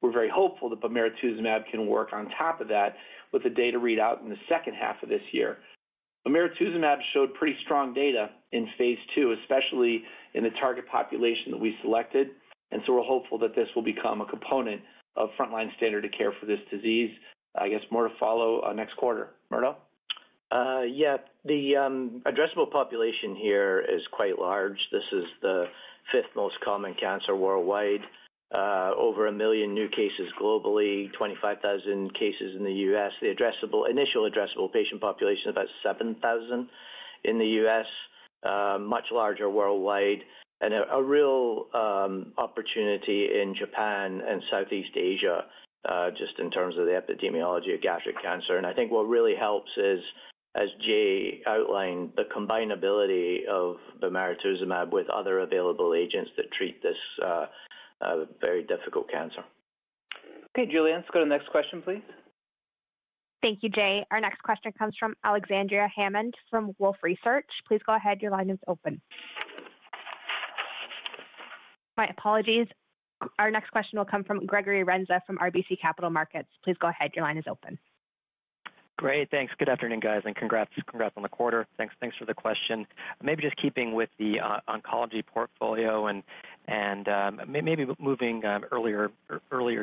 we're very hopeful that bemarituzumab can work on top of that with a data readout in the second half of this year. bemarituzumab showed pretty strong data in phase II, especially in the target population that we selected. We are hopeful that this will become a component of frontline standard of care for this disease. I guess more to follow next quarter. Murdo? Yeah, the addressable population here is quite large. This is the fifth most common cancer worldwide, over a million new cases globally, 25,000 cases in the U.S. The initial addressable patient population is about 7,000 in the U.S., much larger worldwide. There is a real opportunity in Japan and Southeast Asia just in terms of the epidemiology of gastric cancer. I think what really helps is, as Jay outlined, the combinability of bemarituzumab with other available agents that treat this very difficult cancer. Okay, Julianne, let's go to the next question, please. Thank you, Jay. Our next question comes from Alexandria Hammond from Wolfe Research. Please go ahead. Your line is open. My apologies. Our next question will come from Gregory Renza from RBC Capital Markets. Please go ahead. Your line is open. Great. Thanks. Good afternoon, guys. And congrats on the quarter. Thanks for the question. Maybe just keeping with the oncology portfolio and maybe moving earlier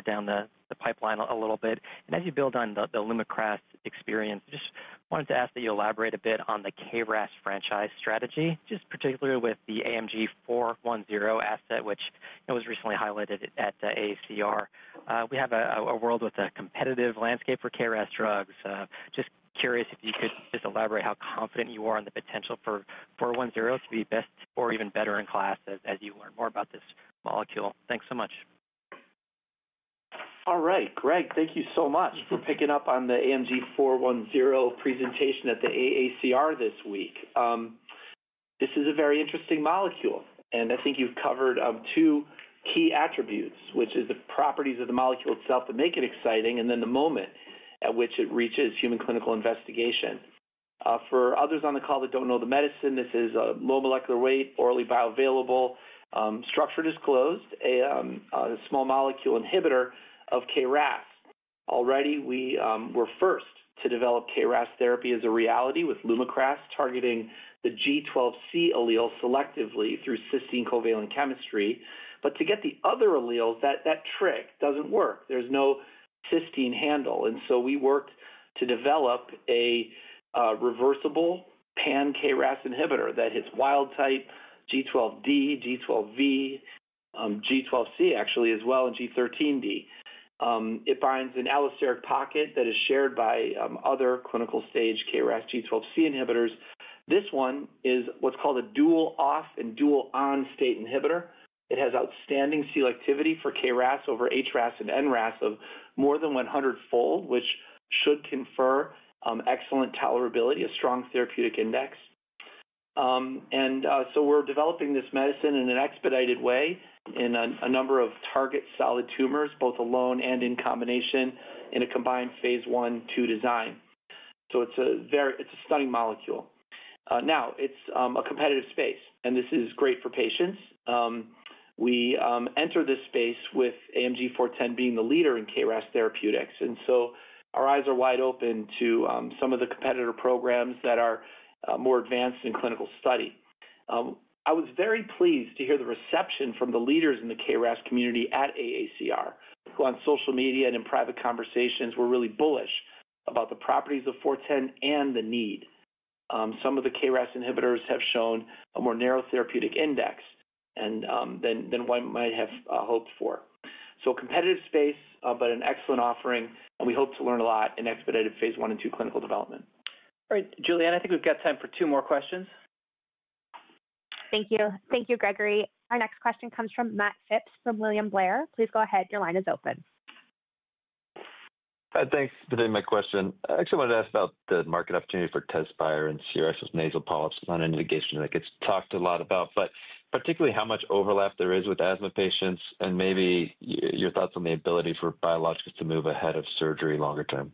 down the pipeline a little bit. As you build on the Lumakras experience, I just wanted to ask that you elaborate a bit on the KRAS franchise strategy, just particularly with the AMG 410 asset, which was recently highlighted at the AACR. We have a world with a competitive landscape for KRAS drugs. Just curious if you could just elaborate how confident you are on the potential for 410 to be best or even better in class as you learn more about this molecule. Thanks so much. All right, Greg, thank you so much for picking up on the AMG 410 presentation at the AACR this week. This is a very interesting molecule. I think you've covered two key attributes, which are the properties of the molecule itself that make it exciting and then the moment at which it reaches human clinical investigation. For others on the call that don't know the medicine, this is a low molecular weight, orally bioavailable, structure disclosed, a small molecule inhibitor of KRAS. Already, we were first to develop KRAS therapy as a reality with Lumakras targeting the G12C allele selectively through cysteine covalent chemistry. To get the other alleles, that trick doesn't work. There's no cysteine handle. We worked to develop a reversible pan-KRAS inhibitor that hits wild type, G12D, G12V, G12C actually as well, and G13D. It binds an allosteric pocket that is shared by other clinical stage KRAS G12C inhibitors. This one is what's called a dual-off and dual-on state inhibitor. It has outstanding selectivity for KRAS over HRAS and NRAS of more than 100-fold, which should confer excellent tolerability, a strong therapeutic index. We are developing this medicine in an expedited way in a number of target solid tumors, both alone and in combination in a combined phase I/II design. It is a stunning molecule. It is a competitive space, and this is great for patients. We enter this space with AMG 410 being the leader in KRAS therapeutics. Our eyes are wide open to some of the competitor programs that are more advanced in clinical study. I was very pleased to hear the reception from the leaders in the KRAS community at AACR, who on social media and in private conversations were really bullish about the properties of 410 and the need. Some of the KRAS inhibitors have shown a more narrow therapeutic index than one might have hoped for. Competitive space, but an excellent offering. We hope to learn a lot in expedited phase I and II clinical development. All right, Julianne, I think we've got time for two more questions. Thank you. Thank you, Gregory. Our next question comes from Matt Phipps from William Blair. Please go ahead. Your line is open. Thanks for the question. I actually wanted to ask about the market opportunity for Tezspire and CRSwNP on an indication that gets talked a lot about, but particularly how much overlap there is with asthma patients and maybe your thoughts on the ability for biologics to move ahead of surgery longer term.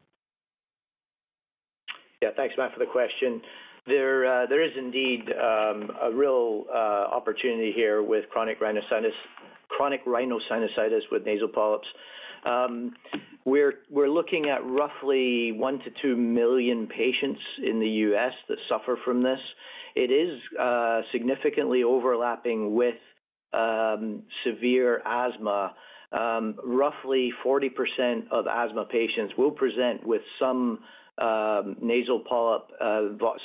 Yeah, thanks, Matt, for the question. There is indeed a real opportunity here with chronic rhinosinusitis with nasal polyps. We're looking at roughly 1 million-2 million patients in the U.S. that suffer from this. It is significantly overlapping with severe asthma. Roughly 40% of asthma patients will present with some nasal polyp,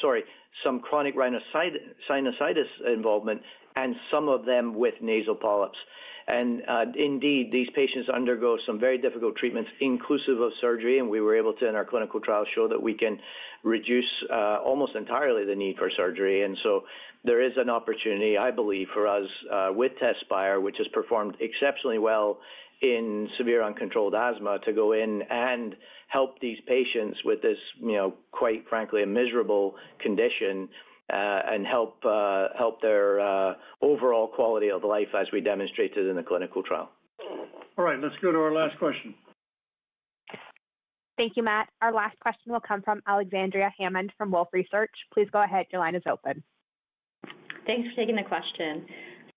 sorry, some chronic rhinosinusitis involvement, and some of them with nasal polyps. Indeed, these patients undergo some very difficult treatments, inclusive of surgery. We were able to, in our clinical trials, show that we can reduce almost entirely the need for surgery. There is an opportunity, I believe, for us with Tezspire, which has performed exceptionally well in severe uncontrolled asthma, to go in and help these patients with this, quite frankly, miserable condition and help their overall quality of life as we demonstrated in the clinical trial. All right, let's go to our last question. Thank you, Matt. Our last question will come from Alexandria Hammond from Wolfe Research. Please go ahead. Your line is open. Thanks for taking the question.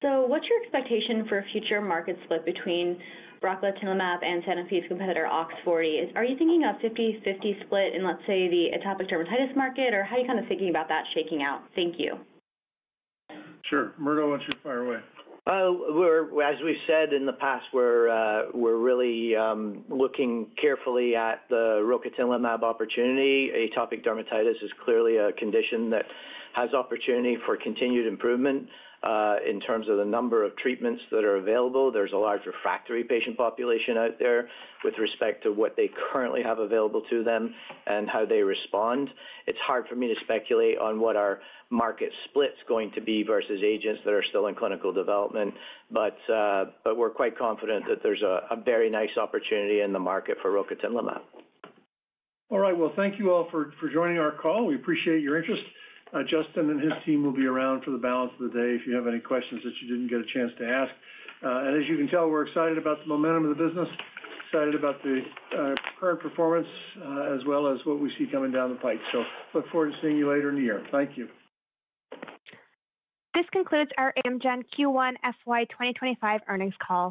What's your expectation for a future market split between rocatinlimab and Sanofi's competitor OX40? Are you thinking a 50/50 split in, let's say, the atopic dermatitis market, or how are you kind of thinking about that shaking out? Thank you. Sure. Murdo, why don't you fire away? As we said in the past, we're really looking carefully at the rocatinlimab opportunity. Atopic dermatitis is clearly a condition that has opportunity for continued improvement in terms of the number of treatments that are available. There's a large refractory patient population out there with respect to what they currently have available to them and how they respond. It's hard for me to speculate on what our market split's going to be versus agents that are still in clinical development, but we're quite confident that there's a very nice opportunity in the market for rocatinlimab. All right, thank you all for joining our call. We appreciate your interest. Justin and his team will be around for the balance of the day if you have any questions that you didn't get a chance to ask. As you can tell, we're excited about the momentum of the business, excited about the current performance, as well as what we see coming down the pike. Look forward to seeing you later in the year. Thank you. This concludes our Amgen Q1 FY 2025 earnings call.